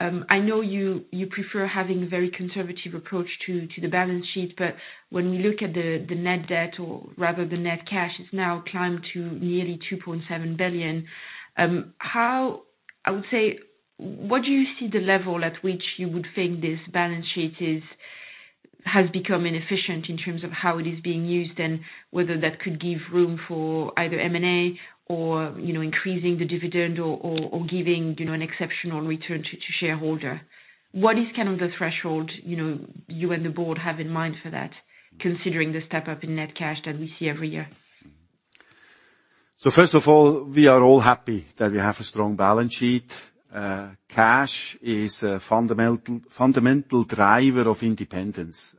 I know you prefer having a very conservative approach to the balance sheet, but when we look at the net debt or rather the net cash, it's now climbed to nearly 2.7 billion. What do you see the level at which you would think this balance sheet has become inefficient in terms of how it is being used, and whether that could give room for either M&A or increasing the dividend, or giving an exceptional return to shareholder? What is the threshold you and the board have in mind for that, considering the step up in net cash that we see every year? First of all, we are all happy that we have a strong balance sheet. Cash is a fundamental driver of independence.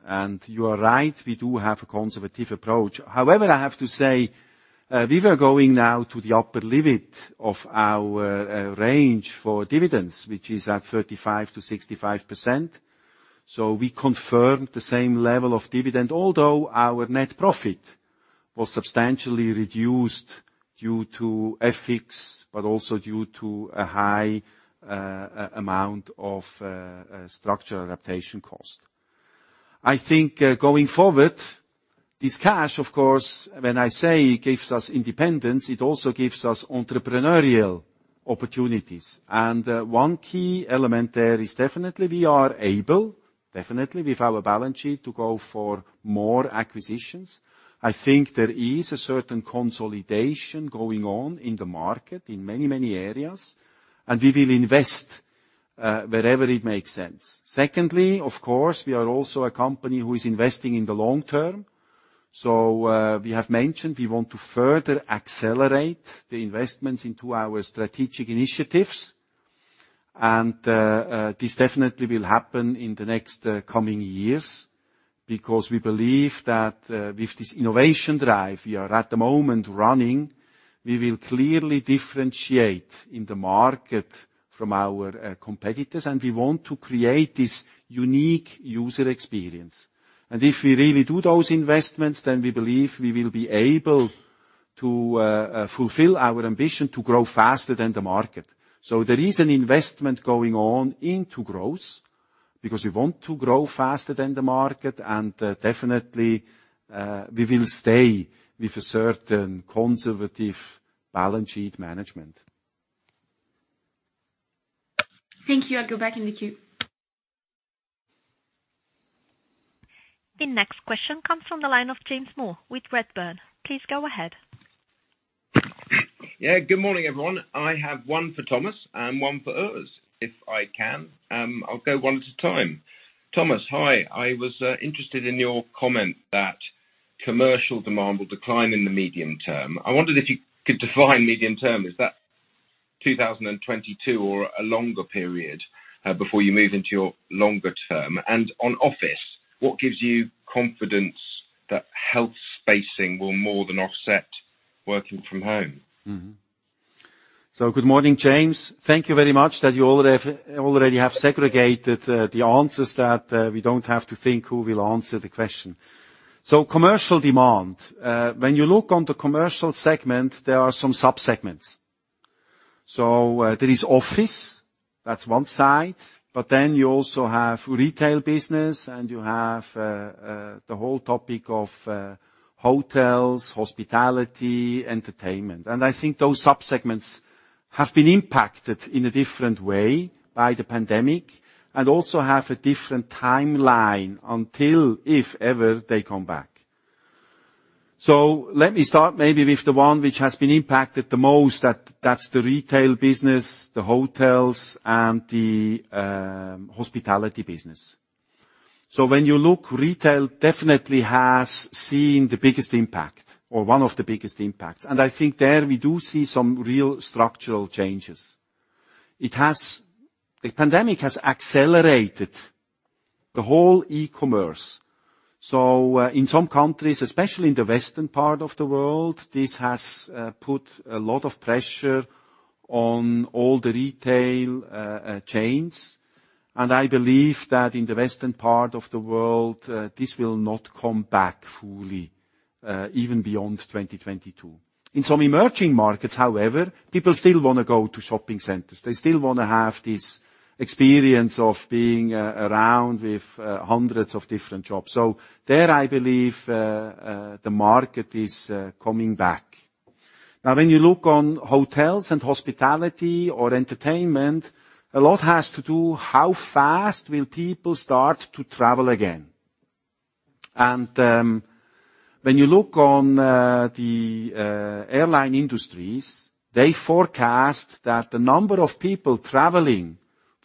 You are right, we do have a conservative approach. However, I have to say, we were going now to the upper limit of our range for dividends, which is at 35% to 65%. We confirmed the same level of dividend, although our net profit was substantially reduced due to FX, but also due to a high amount of structure adaptation cost. I think going forward, this cash, of course, when I say gives us independence, it also gives us entrepreneurial opportunities. One key element there is definitely we are able, definitely with our balance sheet, to go for more acquisitions. I think there is a certain consolidation going on in the market in many, many areas, and we will invest wherever it makes sense. Secondly, of course, we are also a company who is investing in the long term. We have mentioned we want to further accelerate the investments into our strategic initiatives. This definitely will happen in the next coming years, because we believe that with this innovation drive, we are at the moment running, we will clearly differentiate in the market from our competitors, and we want to create this unique user experience. If we really do those investments, we believe we will be able to fulfill our ambition to grow faster than the market. There is an investment going on into growth because we want to grow faster than the market, and definitely, we will stay with a certain conservative balance sheet management. Thank you. I'll go back in the queue. The next question comes from the line of James Moore with Redburn. Please go ahead. Good morning, everyone. I have one for Thomas and one for Urs, if I can. I'll go one at a time. Thomas, hi. I was interested in your comment that commercial demand will decline in the medium term. I wondered if you could define medium term. Is that 2022 or a longer period, before you move into your longer term? On office, what gives you confidence that health spacing will more than offset working from home? Good morning, James. Thank you very much that you already have segregated the answers that we don't have to think who will answer the question. Commercial demand. When you look on the commercial segment, there are some sub-segments. There is office, that's one side, but then you also have retail business, and you have the whole topic of hotels, hospitality, entertainment. I think those sub-segments have been impacted in a different way by the pandemic and also have a different timeline until, if ever, they come back. Let me start maybe with the one which has been impacted the most. That's the retail business, the hotels, and the hospitality business. When you look, retail definitely has seen the biggest impact or one of the biggest impacts. I think there we do see some real structural changes. The pandemic has accelerated the whole e-commerce. In some countries, especially in the western part of the world, this has put a lot of pressure on all the retail chains. I believe that in the western part of the world, this will not come back fully, even beyond 2022. In some emerging markets, however, people still wanna go to shopping centers. They still wanna have this experience of being around with hundreds of different shops. Now when you look on hotels and hospitality or entertainment, a lot has to do how fast will people start to travel again. When you look on the airline industries, they forecast that the number of people traveling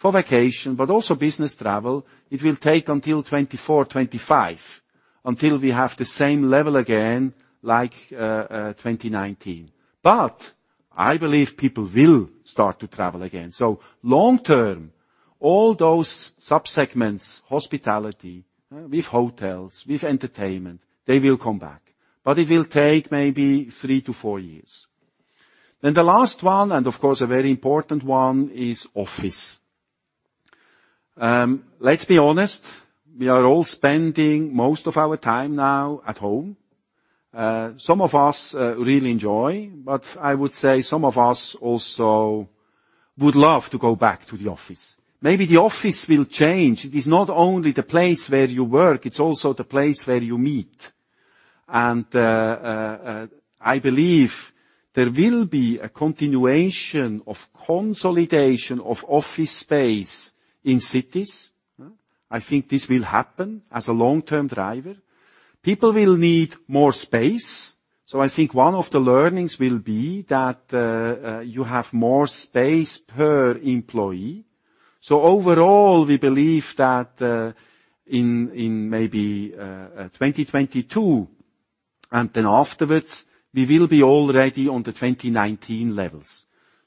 for vacation, but also business travel, it will take until 2024, 2025 until we have the same level again like 2019. I believe people will start to travel again. Long term, all those sub-segments, hospitality, with hotels, with entertainment, they will come back. It will take maybe three to four years. The last one, and of course a very important one, is office. Let's be honest, we are all spending most of our time now at home. Some of us really enjoy, but I would say some of us also would love to go back to the office. Maybe the office will change. It is not only the place where you work, it's also the place where you meet. I believe there will be a continuation of consolidation of office space in cities. I think this will happen as a long-term driver. People will need more space. I think one of the learnings will be that you have more space per employee. Overall, we believe that in maybe 2022 and then afterwards, we will be already on the 2019 levels.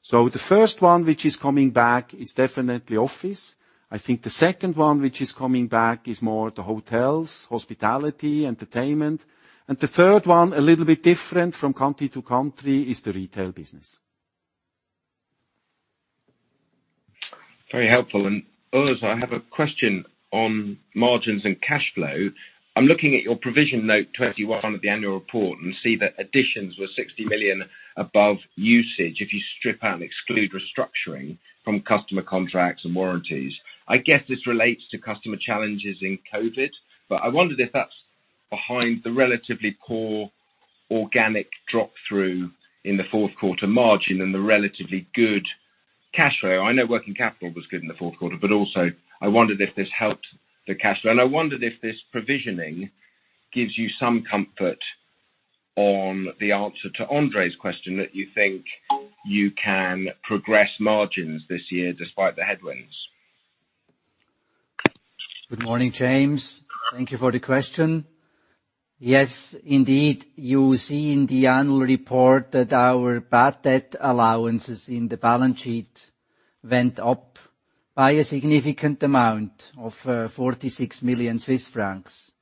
The first one which is coming back is definitely office. I think the second one which is coming back is more the hotels, hospitality, entertainment. The third one, a little bit different from country to country, is the retail business. Very helpful. Urs, I have a question on margins and cash flow. I'm looking at your provision note 21 of the annual report and see that additions were 60 million above usage, if you strip out and exclude restructuring from customer contracts and warranties. I guess this relates to customer challenges in COVID. I wondered if that's behind the relatively poor organic drop-through in the fourth quarter margin and the relatively good cash flow. I know working capital was good in the fourth quarter. Also, I wondered if this helped the cash flow. I wondered if this provisioning gives you some comfort on the answer to Andre's question, that you think you can progress margins this year despite the headwinds. Good morning, James. Thank you for the question. Yes, indeed. You see in the annual report that our bad debt allowances in the balance sheet went up by a significant amount of 46 million Swiss francs.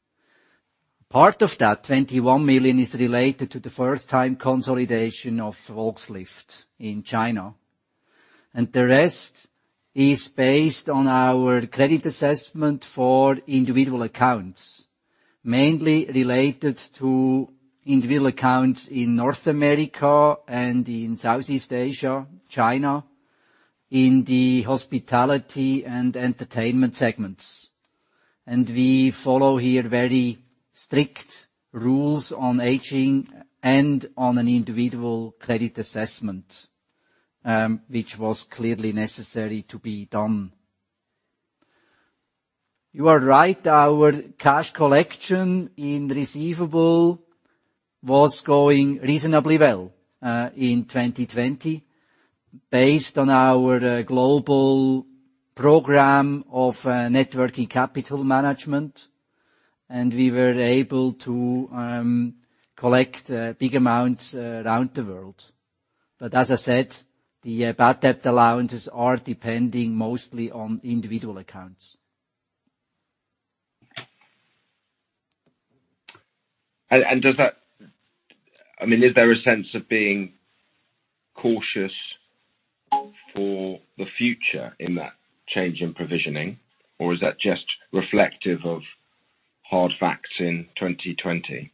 Part of that, 21 million CHF, is related to the first-time consolidation of Volkslift in China. The rest is based on our credit assessment for individual accounts, mainly related to individual accounts in North America and in Southeast Asia, China, in the hospitality and entertainment segments. We follow here very strict rules on aging and on an individual credit assessment, which was clearly necessary to be done. You are right, our cash collection in receivable was going reasonably well, in 2020, based on our global program of net working capital management, and we were able to collect big amounts around the world. As I said, the bad debt allowances are depending mostly on individual accounts. Is there a sense of being cautious for the future in that change in provisioning, or is that just reflective of hard facts in 2020?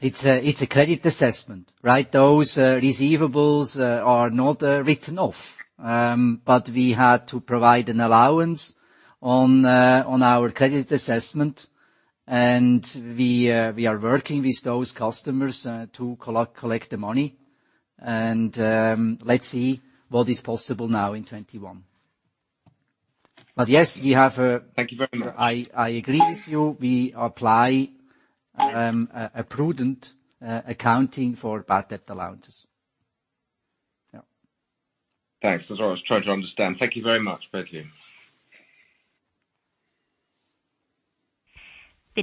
It's a credit assessment, right? Those receivables are not written off. We had to provide an allowance on our credit assessment, and we are working with those customers to collect the money. Let's see what is possible now in 2021. Thank you very much. I agree with you. We apply a prudent accounting for bad debt allowances. Yeah. Thanks. That's what I was trying to understand. Thank you very much. The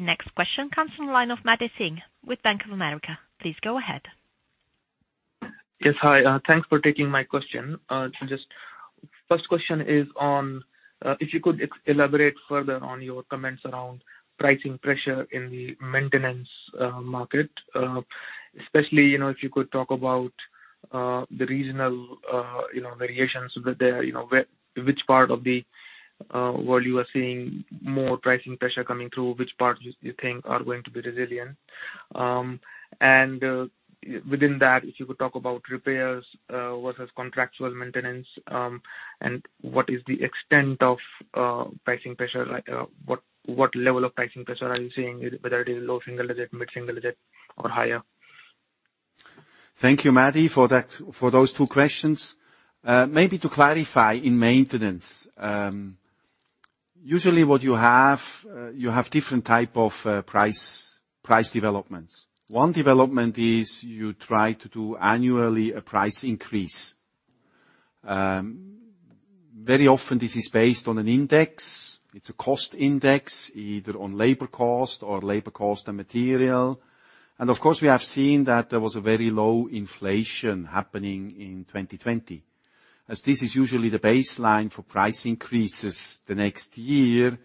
next question comes from the line of Mandeep Singh with Bank of America. Please go ahead. Yes. Hi. Thanks for taking my question. Just, first question is on, if you could elaborate further on your comments around pricing pressure in the maintenance market. Especially, if you could talk about the regional variations. Which part of the world you are seeing more pricing pressure coming through, which parts you think are going to be resilient. Within that, if you could talk about repairs versus contractual maintenance, and what level of pricing pressure are you seeing? Whether it is low single digit, mid-single digit, or higher. Thank you, Mandeep, for those two questions. To clarify, in maintenance, usually what you have different type of price developments. One development is you try to do annually a price increase. Very often this is based on an index. It's a cost index, either on labor cost or labor cost and material. Of course, we have seen that there was a very low inflation happening in 2020. As this is usually the baseline for price increases the next year,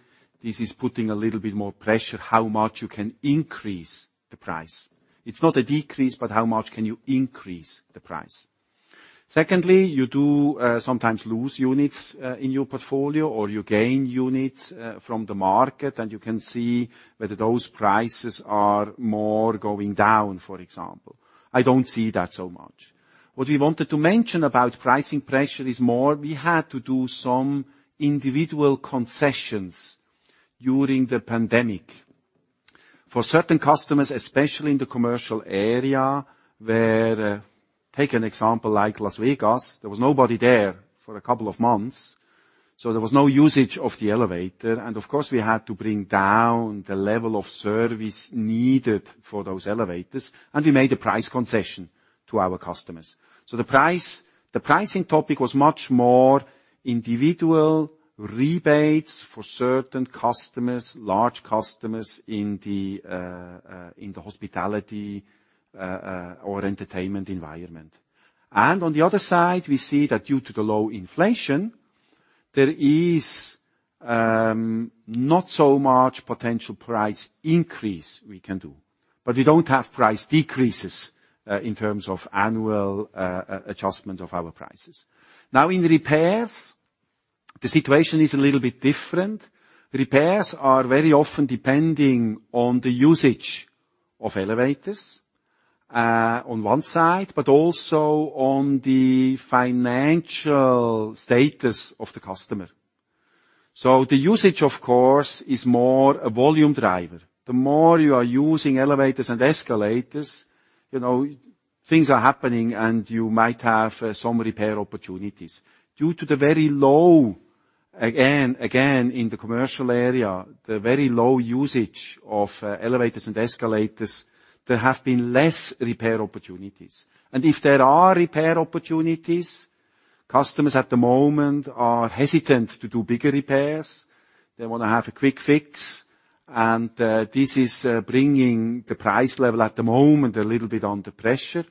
this is putting a little bit more pressure how much you can increase the price. It's not a decrease; how much can you increase the price. Secondly, you do sometimes lose units in your portfolio, you gain units from the market, you can see whether those prices are more going down, for example. I don't see that so much. What we wanted to mention about pricing pressure is more we had to do some individual concessions during the pandemic. For certain customers, especially in the commercial area, where take an example like Las Vegas, there was nobody there for a couple of months, so there was no usage of the elevator. Of course, we had to bring down the level of service needed for those elevators, and we made a price concession to our customers. The pricing topic was much more individual rebates for certain customers, large customers in the hospitality or entertainment environment. On the other side, we see that due to the low inflation, there is not so much potential price increase we can do. We don't have price decreases in terms of annual adjustment of our prices. In repairs, the situation is a little bit different. Repairs are very often depending on the usage of elevators, on one side, but also on the financial status of the customer. The usage, of course, is more a volume driver. The more you are using elevators and escalators, things are happening and you might have some repair opportunities. Due to the very low, again, in the commercial area, the very low usage of elevators and escalators, there have been less repair opportunities. If there are repair opportunities, customers at the moment are hesitant to do bigger repairs. They want to have a quick fix, and this is bringing the price level, at the moment, a little bit under pressure.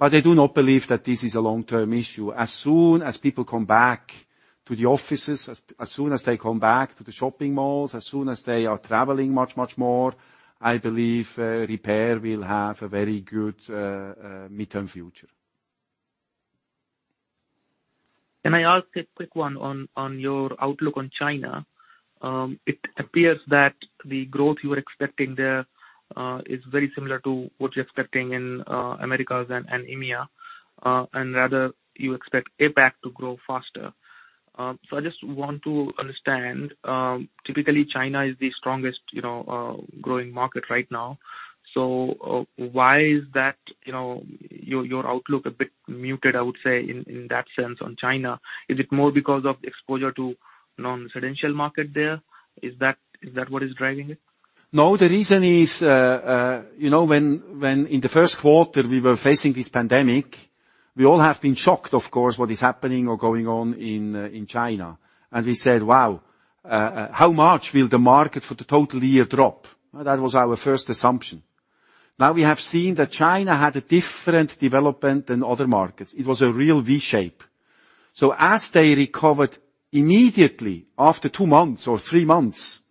I do not believe that this is a long-term issue. As soon as people come back to the offices, as soon as they come back to the shopping malls, as soon as they are traveling much more, I believe repair will have a very good midterm future. Can I ask a quick one on your outlook on China? It appears that the growth you were expecting there is very similar to what you're expecting in Americas and EMEA, and rather, you expect APAC to grow faster. I just want to understand, typically, China is the strongest growing market right now. Why is your outlook a bit muted, I would say, in that sense on China? Is it more because of exposure to non-residential market there? Is that what is driving it? No, the reason is when in the first quarter we were facing this pandemic, we all have been shocked, of course, what is happening or going on in China. We said, "Wow, how much will the market for the total year drop?" That was our first assumption. Now we have seen that China had a different development than other markets. It was a real V shape. As they recovered immediately after two months or three months,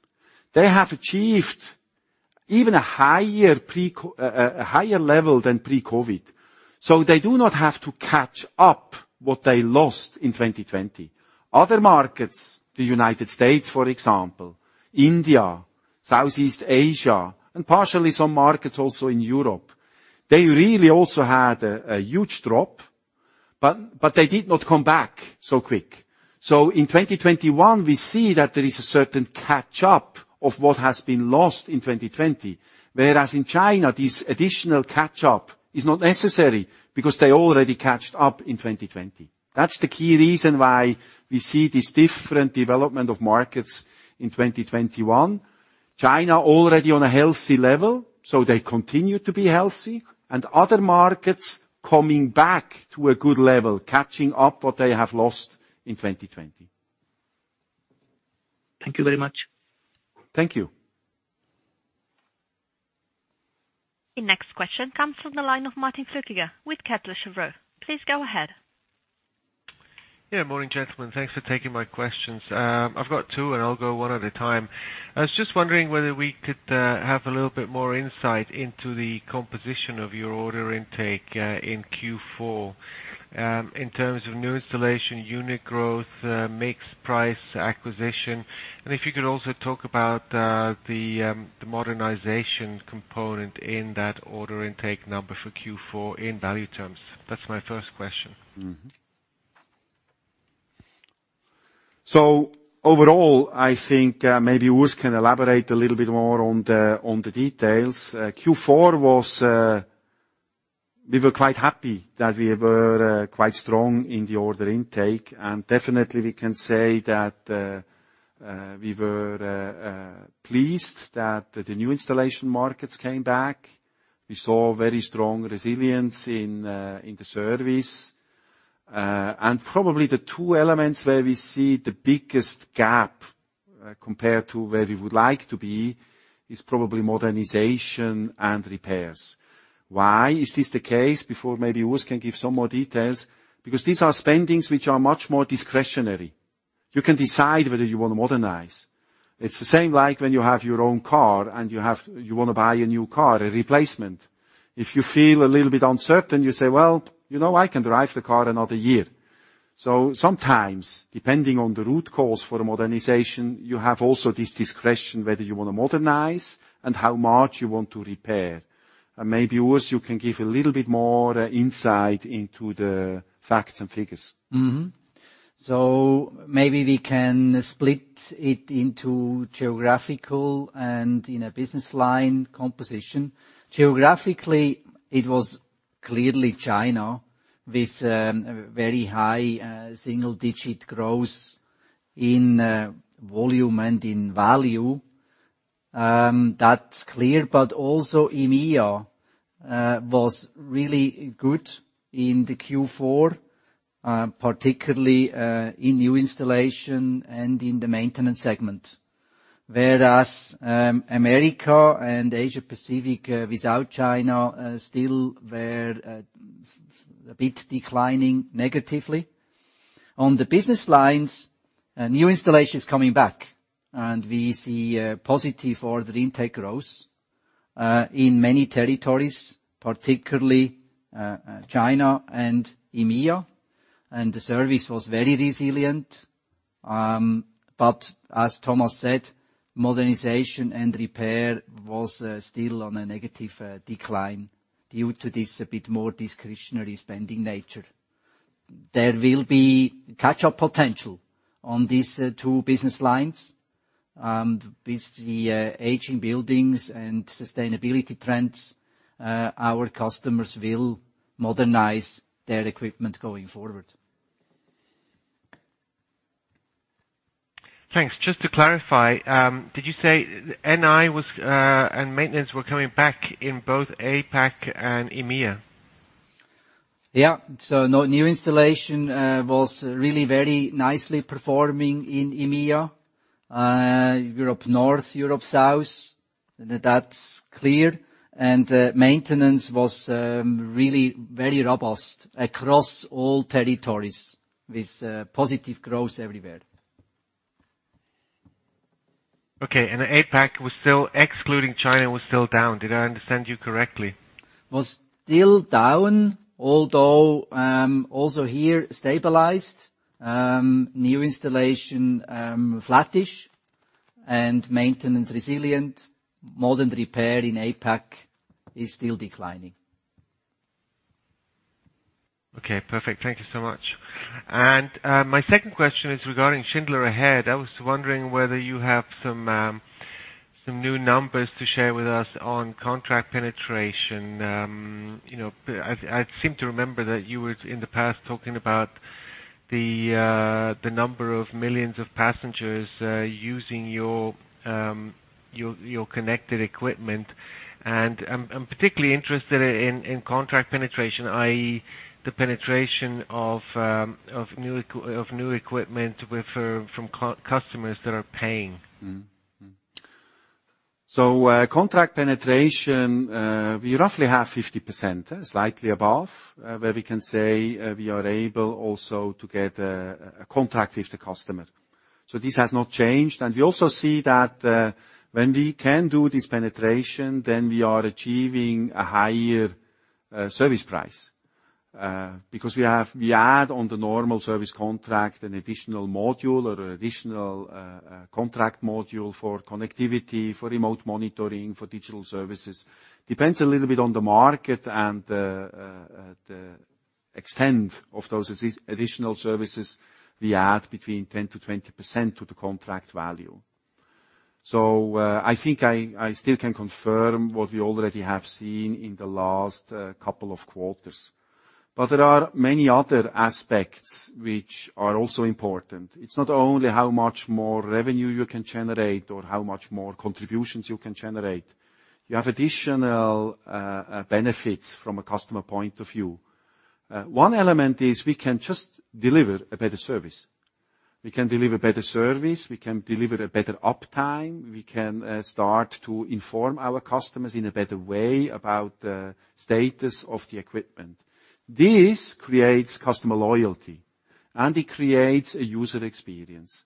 they have achieved even a higher level than pre-COVID. They do not have to catch up what they lost in 2020. Other markets, the U.S., for example, India, Southeast Asia, and partially some markets also in Europe, they really also had a huge drop, but they did not come back so quick. In 2021, we see that there is a certain catch-up of what has been lost in 2020. Whereas in China, this additional catch-up is not necessary because they already caught up in 2020. That's the key reason why we see this different development of markets in 2021. They continue to be healthy. Other markets coming back to a good level, catching up what they have lost in 2020. Thank you very much. Thank you. The next question comes from the line of Martin Flückiger with Kepler Cheuvreux. Please go ahead. Morning, gentlemen. Thanks for taking my questions. I've got two, and I'll go one at a time. I was just wondering whether we could have a little bit more insight into the composition of your order intake in Q4, in terms of new installation, unit growth, mix price, acquisition. If you could also talk about the modernization component in that order intake number for Q4 in value terms. That's my first question. Overall, I think maybe Urs can elaborate a little bit more on the details. Q4, we were quite happy that we were quite strong in the order intake. Definitely we can say that we were pleased that the new installation markets came back. We saw very strong resilience in the service. Probably the two elements where we see the biggest gap, compared to where we would like to be, is probably modernization and repairs. Why is this the case? Before maybe Urs can give some more details, because these are spendings which are much more discretionary. You can decide whether you want to modernize. It's the same like when you have your own car and you want to buy a new car, a replacement. If you feel a little bit uncertain, you say, "Well, I can drive the car another year." Sometimes, depending on the root cause for the modernization, you have also this discretion whether you want to modernize and how much you want to repair. Maybe, Urs, you can give a little bit more insight into the facts and figures. Mm-hmm. Maybe we can split it into geographical and in a business line composition. Geographically, it was clearly China with very high single-digit growth in volume and in value. That's clear. Also, EMEA was really good in the Q4, particularly in new installation and in the maintenance segment. Whereas America and Asia Pacific without China still were a bit declining negatively. On the business lines, new installation is coming back, and we see a positive order intake growth in many territories, particularly China and EMEA, and the service was very resilient. As Thomas said, modernization and repair was still on a negative decline due to this a bit more discretionary spending nature. There will be catch-up potential on these two business lines. With the aging buildings and sustainability trends, our customers will modernize their equipment going forward. Thanks. Just to clarify, did you say NI and maintenance were coming back in both APAC and EMEA? New installation was really very nicely performing in EMEA, Europe North, Europe South. That's clear. Maintenance was really very robust across all territories with positive growth everywhere. Okay. APAC, excluding China, was still down. Did I understand you correctly? Was still down, although, also here, stabilized. New installation flat-ish and maintenance resilient. Modern repair in APAC is still declining. Okay, perfect. Thank you so much. My second question is regarding Schindler Ahead. I was wondering whether you have some new numbers to share with us on contract penetration. I seem to remember that you were, in the past, talking about the number of millions of passengers using your connected equipment. I'm particularly interested in contract penetration, i.e., the penetration of new equipment from customers that are paying. Contract penetration, we roughly have 50%, slightly above, where we can say we are able also to get a contract with the customer. We also see that when we can do this penetration, then we are achieving a higher service price. Because we add on the normal service contract an additional module or additional contract module for connectivity, for remote monitoring, for digital services. Depends a little bit on the market and the extent of those additional services we add between 10%-20% to the contract value. I think I still can confirm what we already have seen in the last couple of quarters. There are many other aspects which are also important. It's not only how much more revenue you can generate or how much more contributions you can generate. You have additional benefits from a customer point of view. One element is we can just deliver a better service. We can deliver better service, we can deliver a better uptime, we can start to inform our customers in a better way about the status of the equipment. This creates customer loyalty, and it creates a user experience.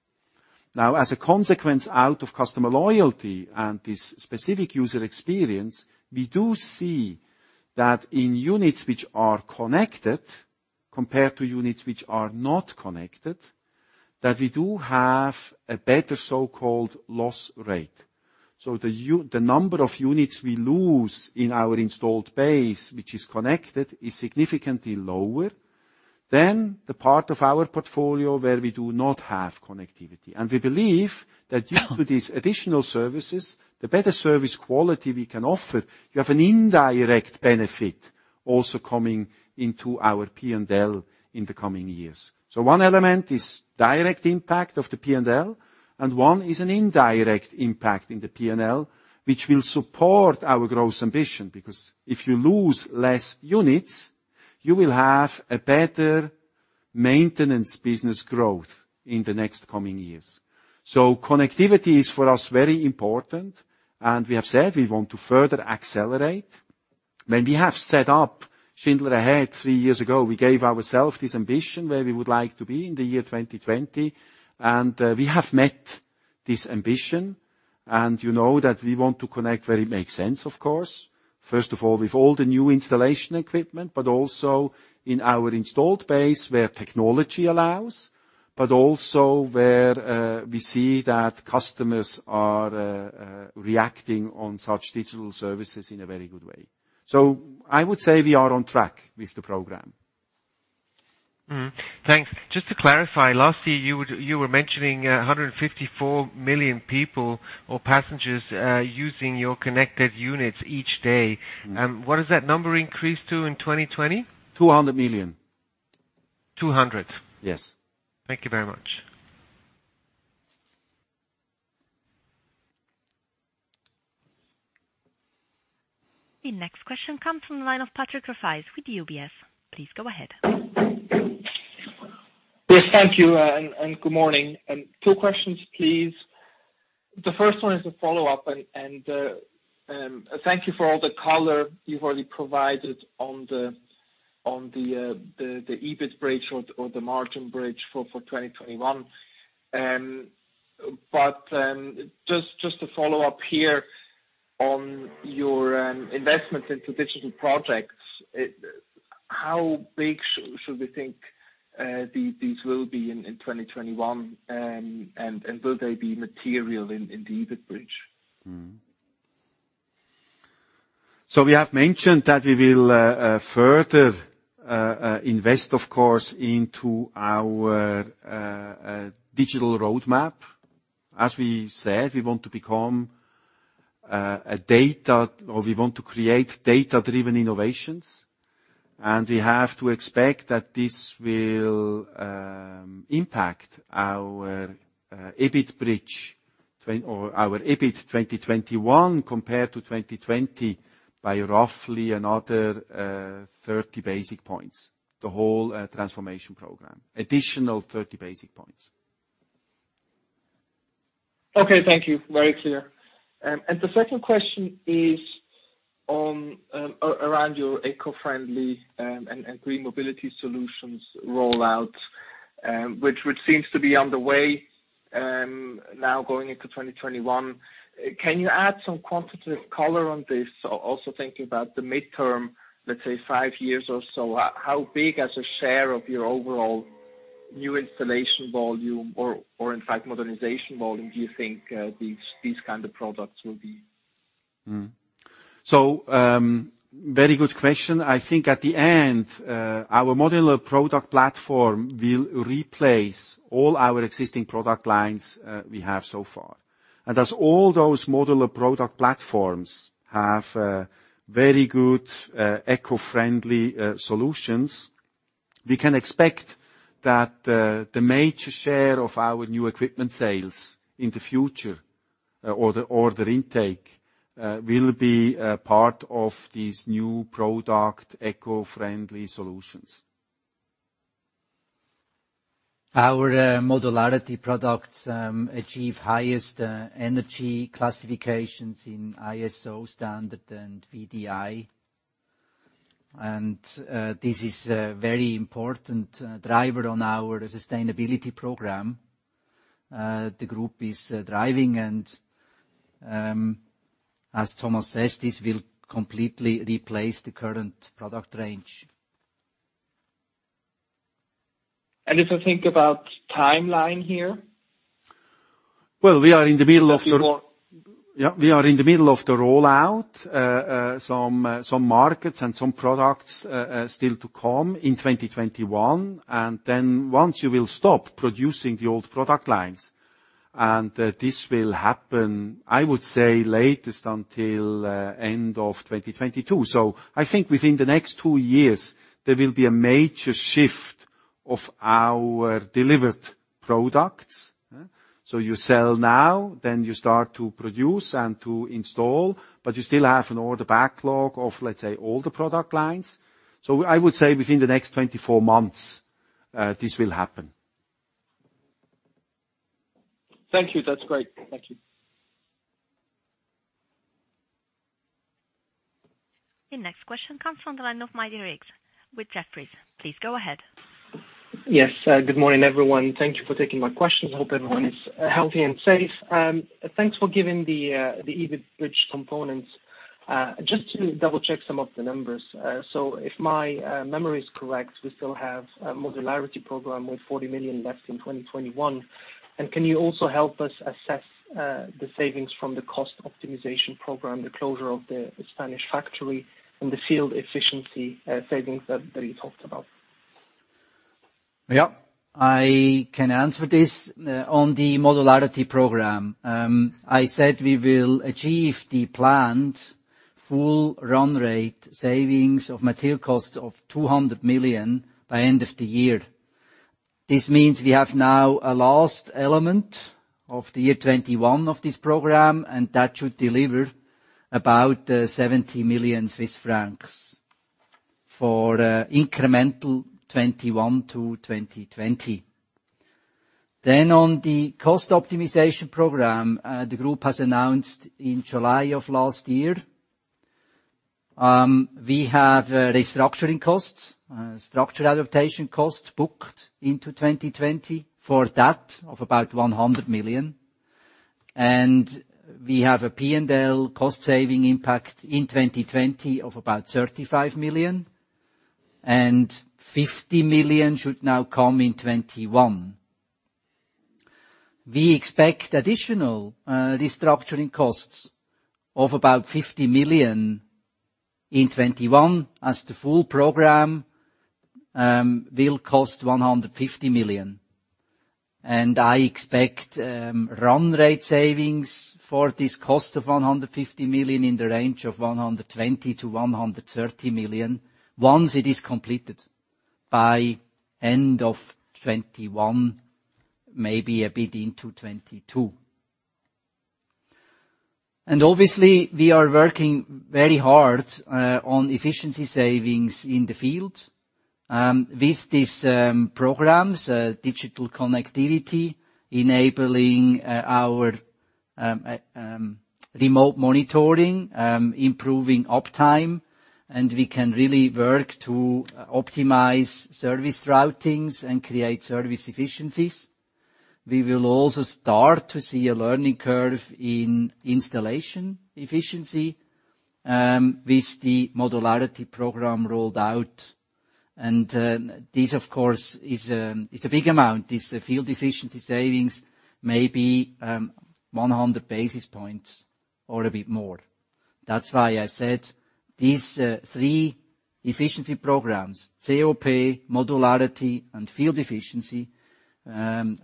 As a consequence, out of customer loyalty and this specific user experience, we do see that in units which are connected compared to units which are not connected, that we do have a better so-called loss rate. The number of units we lose in our installed base, which is connected, is significantly lower than the part of our portfolio where we do not have connectivity. We believe that due to these additional services, the better service quality we can offer, you have an indirect benefit also coming into our P&L in the coming years. One element is direct impact of the P&L, and one is an indirect impact in the P&L, which will support our growth ambition, because if you lose less units, you will have a better maintenance business growth in the next coming years. Connectivity is, for us, very important, and we have said we want to further accelerate. When we have set up Schindler Ahead three years ago, we gave ourselves this ambition where we would like to be in the year 2020, and we have met this ambition. You know that we want to connect where it makes sense, of course. First of all, with all the new installation equipment, but also in our installed base where technology allows, but also where we see that customers are reacting on such digital services in a very good way. I would say we are on track with the program. Mm-hmm. Thanks. Just to clarify, last year, you were mentioning 154 million people or passengers using your connected units each day. What does that number increase to in 2020? 200 million. 200? Yes. Thank you very much. The next question comes from the line of Patrick Rafaisz with UBS. Please go ahead. Yes, thank you. Good morning. Two questions, please. The first one is a follow-up and thank you for all the color you've already provided on the EBIT bridge or the margin bridge for 2021. Just to follow up here on your investments into digital projects, how big should we think these will be in 2021? Will they be material in the EBIT bridge? We have mentioned that we will further invest, of course, into our digital roadmap. As we said, we want to create data-driven innovations, and we have to expect that this will impact our EBIT 2021 compared to 2020 by roughly another 30 basis points, the whole transformation program, additional 30 basis points. Okay. Thank you. Very clear. The second question is around your eco-friendly and green mobility solutions rollout, which seems to be underway now going into 2021. Can you add some quantitative color on this, also thinking about the midterm, let's say five years or so? How big as a share of your overall new installation volume, or in fact, modernization volume, do you think these kinds of products will be? Very good question. I think at the end, our modular product platform will replace all our existing product lines we have so far. As all those modular product platforms have very good eco-friendly solutions, we can expect that the major share of our new equipment sales in the future, or the order intake, will be part of these new product eco-friendly solutions. Our modularity products achieve highest energy classifications in ISO standard and VDI. This is a very important driver on our sustainability program the group is driving. As Thomas says, this will completely replace the current product range. If I think about timeline here? Well, we are in the middle of the. A few more. Yeah, we are in the middle of the rollout. Some markets and some products are still to come in 2021. Once you will stop producing the old product lines, and this will happen, I would say, latest until end of 2022. I think within the next two years, there will be a major shift of our delivered products. You sell now, then you start to produce and to install, but you still have an order backlog of, let's say, all the product lines. I would say within the next 24 months, this will happen. Thank you. That's great. Thank you. The next question comes from the line of Myriam Rizk with Jefferies. Please go ahead. Yes. Good morning, everyone. Thank you for taking my questions. I hope everyone is healthy and safe. Thanks for giving the EBIT bridge components. Just to double-check some of the numbers. If my memory is correct, we still have a modularity program with 40 million left in 2021. Can you also help us assess the savings from the cost optimization program, the closure of the Spanish factory, and the field efficiency savings that you talked about? Yeah. I can answer this. On the Modularity Program, I said we will achieve the planned full run rate savings of material costs of 200 million by end of the year. This means we have now a last element of the year 2021 of this program, that should deliver about 70 million Swiss francs for incremental 2021 to 2020. On the Cost Optimization Program the group has announced in July of last year, we have restructuring costs, structural adaptation costs booked into 2020 for that of about 100 million. We have a P&L cost-saving impact in 2020 of about 35 million. 50 million should now come in 2021. We expect additional restructuring costs of about 50 million in 2021, as the full program will cost 150 million. I expect run rate savings for this cost of 150 million in the range of 120 million-130 million once it is completed by end of 2021, maybe a bit into 2022. Obviously, we are working very hard on efficiency savings in the field. With these programs, digital connectivity, enabling our remote monitoring, improving uptime, and we can really work to optimize service routings and create service efficiencies. We will also start to see a learning curve in installation efficiency, with the modularity program rolled out. This, of course, is a big amount, this field efficiency savings, maybe 100 basis points or a bit more. That's why I said these three efficiency programs, COP, modularity, and field efficiency,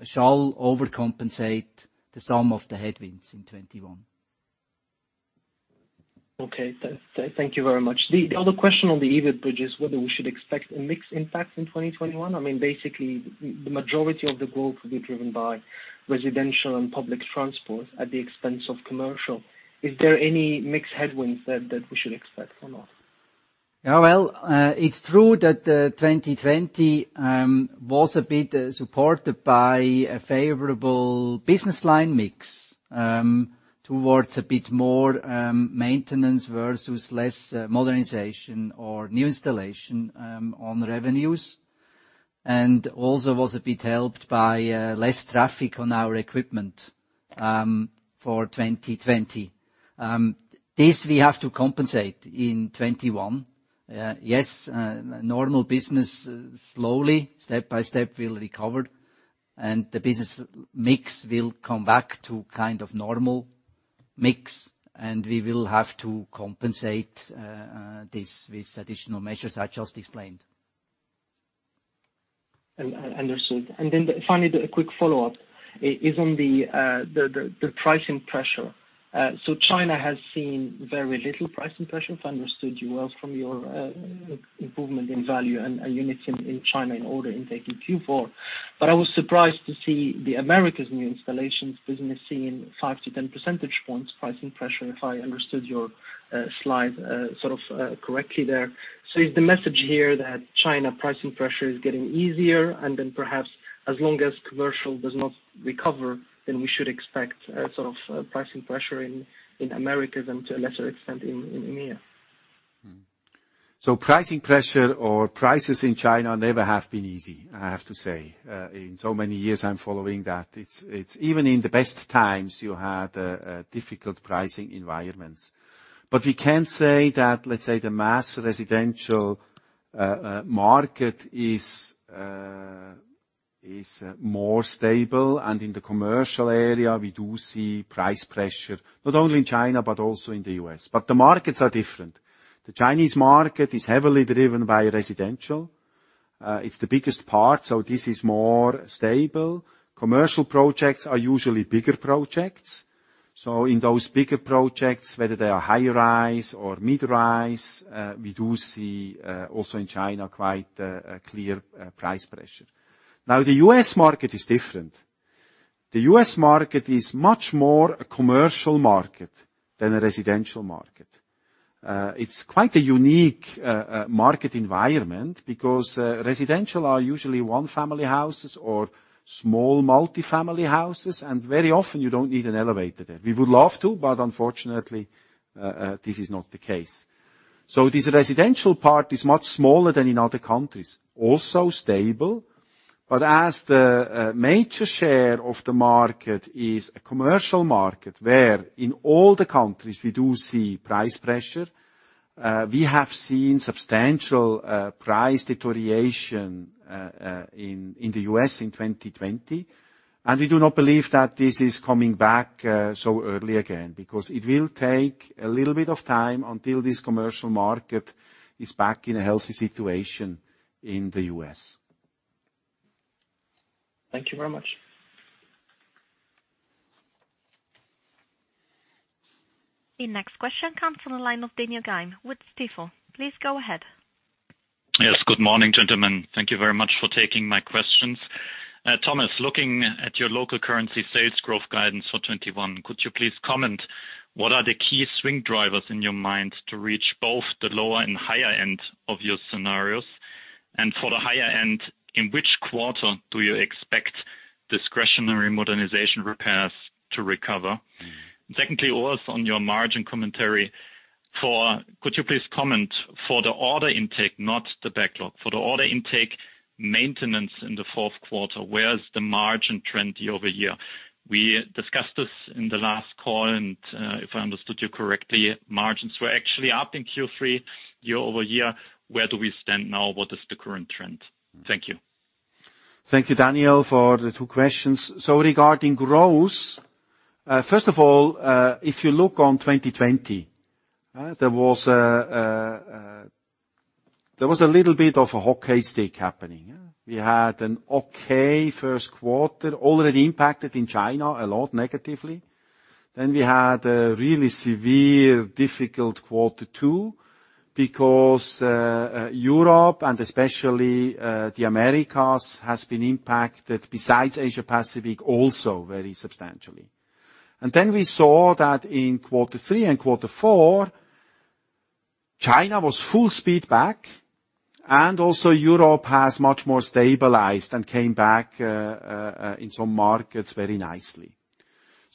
shall overcompensate the sum of the headwinds in 2021. Okay. Thank you very much. The other question on the EBIT bridge is whether we should expect a mixed impact in 2021. The majority of the growth will be driven by residential and public transport at the expense of commercial. Is there any mixed headwinds there that we should expect or not? It's true that 2020 was a bit supported by a favorable business line mix, towards a bit more maintenance versus less modernization or new installation on revenues, and also was a bit helped by less traffic on our equipment for 2020. This we have to compensate in 2021. Normal business, slowly, step by step, will recover, and the business mix will come back to normal mix, and we will have to compensate this with additional measures I just explained. Understood. Finally, the quick follow-up is on the pricing pressure. China has seen very little pricing pressure, if I understood you well from your improvement in value and units in China in order intake in Q4. I was surprised to see the Americas new installations business seeing 5 to 10 percentage points pricing pressure, if I understood your slide correctly there. Is the message here that China pricing pressure is getting easier, and then perhaps as long as commercial does not recover, then we should expect pricing pressure in Americas and to a lesser extent in EMEA? Pricing pressure or prices in China never have been easy, I have to say. In so many years I'm following that. Even in the best times, you had difficult pricing environments. We can say that let's say the mass residential market is more stable. In the commercial area, we do see price pressure, not only in China but also in the U.S. The markets are different. The Chinese market is heavily driven by residential. It's the biggest part, so this is more stable. Commercial projects are usually bigger projects. In those bigger projects, whether they are high-rise or mid-rise, we do see, also in China, quite a clear price pressure. Now, the U.S. market is different. The U.S. market is much more a commercial market than a residential market. It's quite a unique market environment because residential are usually one-family houses or small multi-family houses, and very often you don't need an elevator there. We would love to, but unfortunately, this is not the case. This residential part is much smaller than in other countries. Also stable, but as the major share of the market is a commercial market, where in all the countries we do see price pressure. We have seen substantial price deterioration in the U.S. in 2020, and we do not believe that this is coming back so early again, because it will take a little bit of time until this commercial market is back in a healthy situation in the U.S. Thank you very much. The next question comes from the line of Daniel Gleim with Stifel. Please go ahead. Yes, good morning, gentlemen. Thank you very much for taking my questions. Thomas, looking at your local currency sales growth guidance for 2021, could you please comment, what are the key swing drivers in your mind to reach both the lower and higher end of your scenarios? For the higher end, in which quarter do you expect discretionary modernization repairs to recover? Secondly, also on your margin commentary, could you please comment for the order intake, not the backlog, for the order intake maintenance in the fourth quarter, where's the margin trend year-over-year? We discussed this in the last call, if I understood you correctly, margins were actually up in Q3 year-over-year. Where do we stand now? What is the current trend? Thank you. Thank you, Daniel, for the two questions. Regarding growth, first of all, if you look on 2020, there was a little bit of a hockey stick happening. We had an okay first quarter, already impacted in China a lot negatively. We had a really severe, difficult Q2. Because Europe, and especially the Americas, has been impacted, besides Asia-Pacific, also very substantially. We saw that in Q3 and Q4, China was full speed back, and also Europe has much more stabilized and came back in some markets very nicely.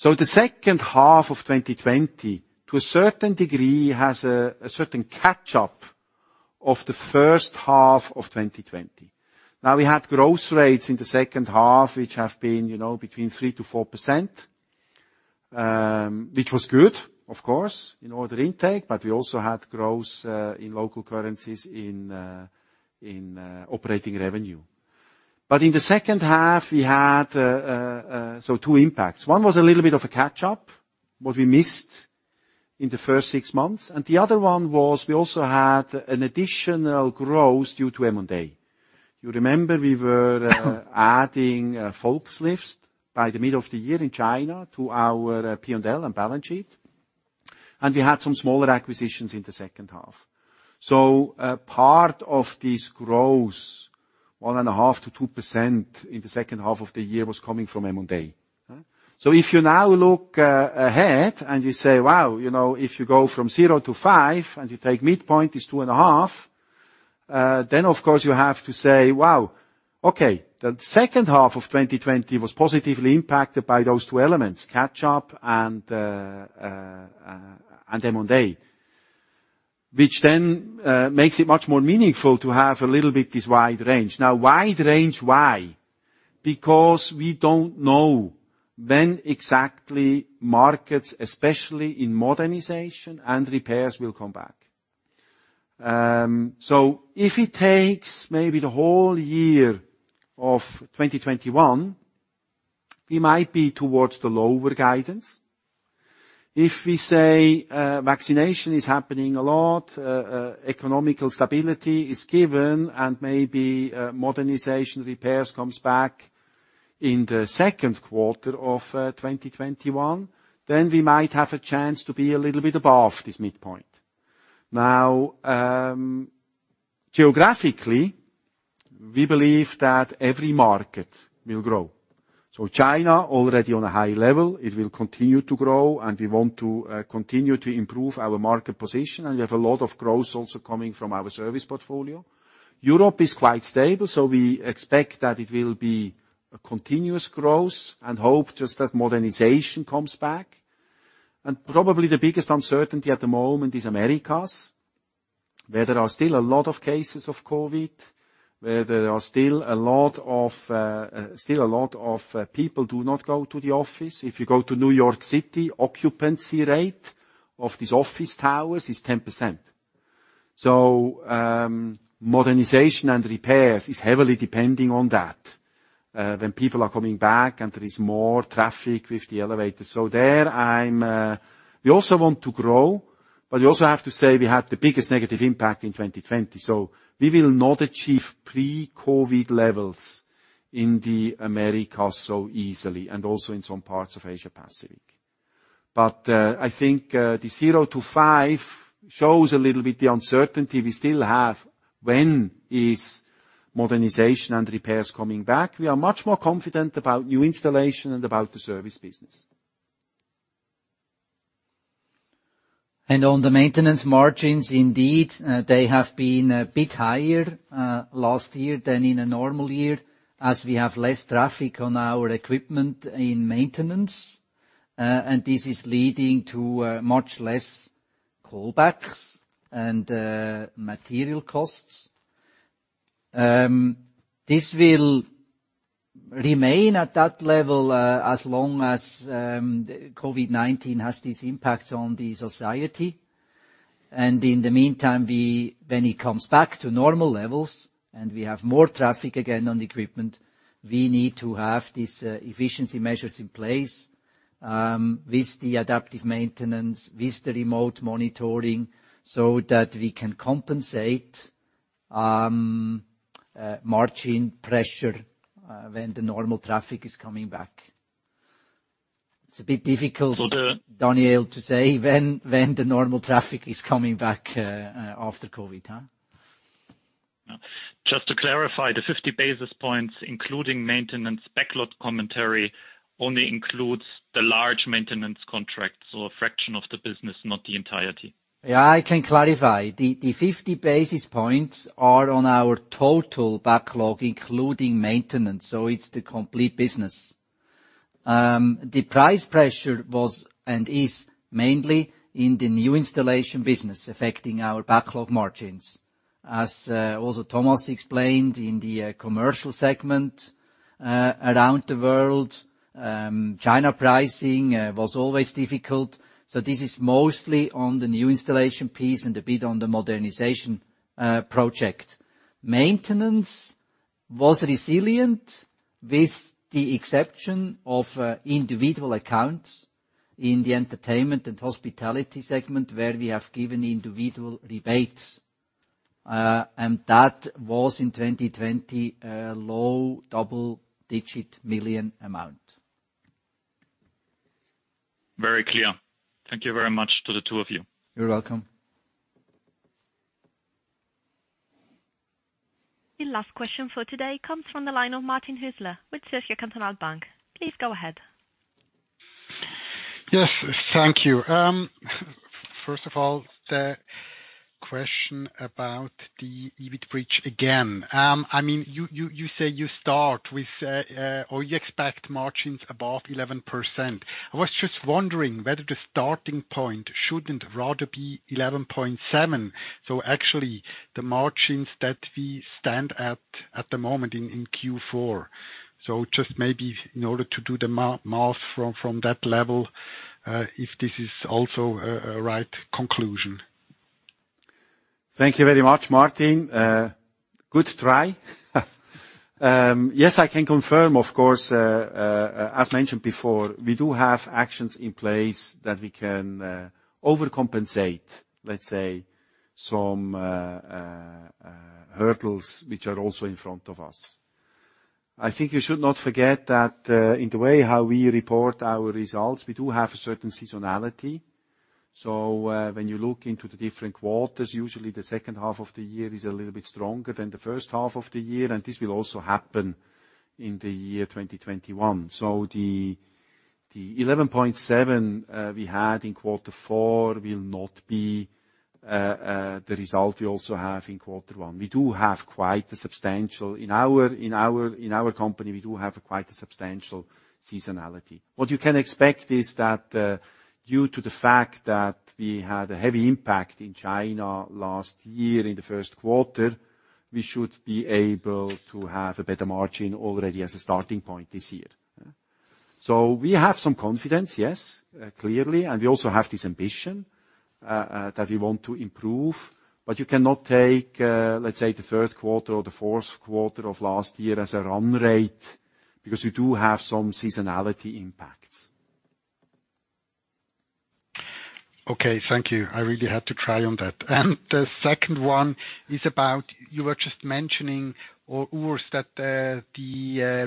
The second half of 2020, to a certain degree, has a certain catch-up of the first half of 2020. Now we had growth rates in the second half, which have been between 3%-4%, which was good, of course, in order intake, but we also had growth in local currencies in operating revenue. In the second half we had two impacts. One was a little bit of a catch-up, what we missed in the first six months, and the other one was we also had an additional growth due to M&A. You remember, we were adding Volkslift by the middle of the year in China to our P&L and balance sheet, and we had some smaller acquisitions in the second half. Part of this growth, 1.5%-2% in the second half of the year, was coming from M&A. If you now look ahead and you say, "Wow," if you go from zero to five and you take midpoint, it's 2.5. Of course, you have to say, "Wow, okay." The second half of 2020 was positively impacted by those two elements, catch-up and M&A, which then makes it much more meaningful to have a little bit this wide range. Wide range why? Because we don't know when exactly markets, especially in modernization and repairs, will come back. If it takes maybe the whole year of 2021, we might be towards the lower guidance. If we say vaccination is happening a lot, economical stability is given, and maybe modernization repairs comes back in the second quarter of 2021, then we might have a chance to be a little bit above this midpoint. Geographically, we believe that every market will grow. China, already on a high level, it will continue to grow, and we want to continue to improve our market position, and we have a lot of growth also coming from our service portfolio. Europe is quite stable; we expect that it will be a continuous growth and hope just that modernization comes back. Probably the biggest uncertainty at the moment is Americas, where there are still a lot of cases of COVID, where there are still a lot of people do not go to the office. If you go to New York City, occupancy rate of these office towers is 10%. Modernization and repairs is heavily depending on that, when people are coming back and there is more traffic with the elevators. There, we also want to grow, but we also have to say we had the biggest negative impact in 2020. We will not achieve pre-COVID levels in the Americas so easily, and also in some parts of Asia-Pacific. I think the zero to five shows a little bit the uncertainty we still have when is modernization and repairs coming back. We are much more confident about new installation and about the service business. On the maintenance margins, indeed, they have been a bit higher last year than in a normal year as we have less traffic on our equipment in maintenance. This is leading to much less callbacks and material costs. This will remain at that level, as long as COVID-19 has these impacts on the society. In the meantime, when it comes back to normal levels and we have more traffic again on the equipment, we need to have these efficiency measures in place, with the adaptive maintenance, with the remote monitoring, so that we can compensate margin pressure when the normal traffic is coming back. It's a bit difficult, Daniel, to say when the normal traffic is coming back after COVID-19? Just to clarify, the 50 basis points, including maintenance backload commentary, only includes the large maintenance contracts or a fraction of the business, not the entirety? Yeah, I can clarify. The 50 basis points are on our total backlog, including maintenance, so it's the complete business. The price pressure was and is mainly in the new installation business, affecting our backlog margins. As also Thomas explained in the commercial segment, around the world, China pricing was always difficult. This is mostly on the new installation piece and a bit on the modernization project. Maintenance was resilient with the exception of individual accounts in the entertainment and hospitality segment, where we have given individual rebates. That was in 2020, a low double-digit million amount. Very clear. Thank you very much to the two of you. You're welcome. The last question for today comes from the line of Martin Hüsler with Zuercher Kantonalbank. Please go ahead. Thank you. First of all, the question about the EBIT bridge again. You say you start with, or you expect margins above 11%. I was just wondering whether the starting point shouldn't rather be 11.7. Actually, the margins that we stand at the moment in Q4. Just maybe in order to do the math from that level, if this is also a right conclusion. Thank you very much, Martin. Good try. Yes, I can confirm, of course, as mentioned before, we do have actions in place that we can overcompensate, let's say, some hurdles which are also in front of us. I think you should not forget that in the way how we report our results, we do have a certain seasonality. When you look into the different quarters, usually the second half of the year is a little bit stronger than the first half of the year, and this will also happen in the year 2021. The 11.7 we had in Q4 will not be the result we also have in Q1. In our company, we do have quite a substantial seasonality. What you can expect is that, due to the fact that we had a heavy impact in China last year in the first quarter, we should be able to have a better margin already as a starting point this year. We have some confidence, yes, clearly, and we also have this ambition that we want to improve, but you cannot take, let's say, the third quarter or the fourth quarter of last year as a run rate, because we do have some seasonality impacts. Okay, thank you. I really had to try on that. The second one is about, you were just mentioning, Urs, that the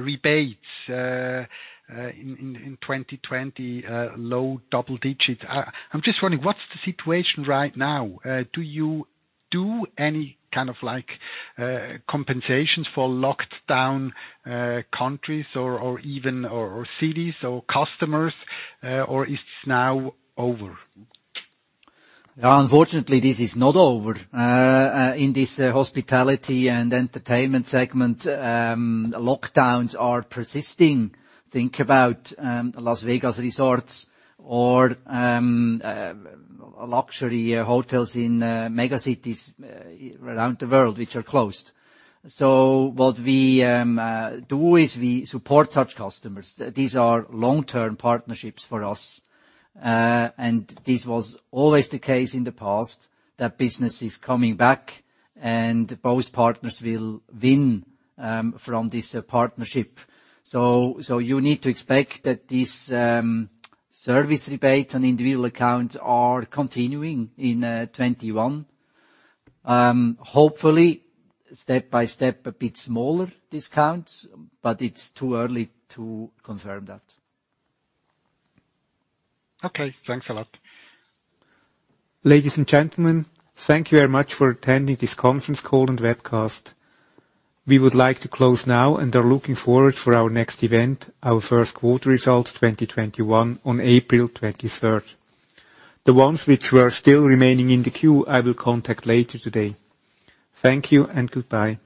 rebates in 2020, low double digits. I'm just wondering, what's the situation right now? Do you do any kind of compensations for locked down countries or cities or customers, or it's now over? Unfortunately, this is not over. In this hospitality and entertainment segment, lockdowns are persisting. Think about Las Vegas resorts or luxury hotels in mega cities around the world which are closed. What we do is we support such customers. These are long-term partnerships for us, and this was always the case in the past that business is coming back and both partners will win from this partnership. You need to expect that these service rebates on individual accounts are continuing in 2021. Hopefully, step-by-step, a bit smaller discounts, but it is too early to confirm that. Okay, thanks a lot. Ladies and gentlemen, thank you very much for attending this conference call and webcast. We would like to close now and are looking forward for our next event, our first quarter results 2021 on April 23rd. The ones which were still remaining in the queue, I will contact later today. Thank you and goodbye.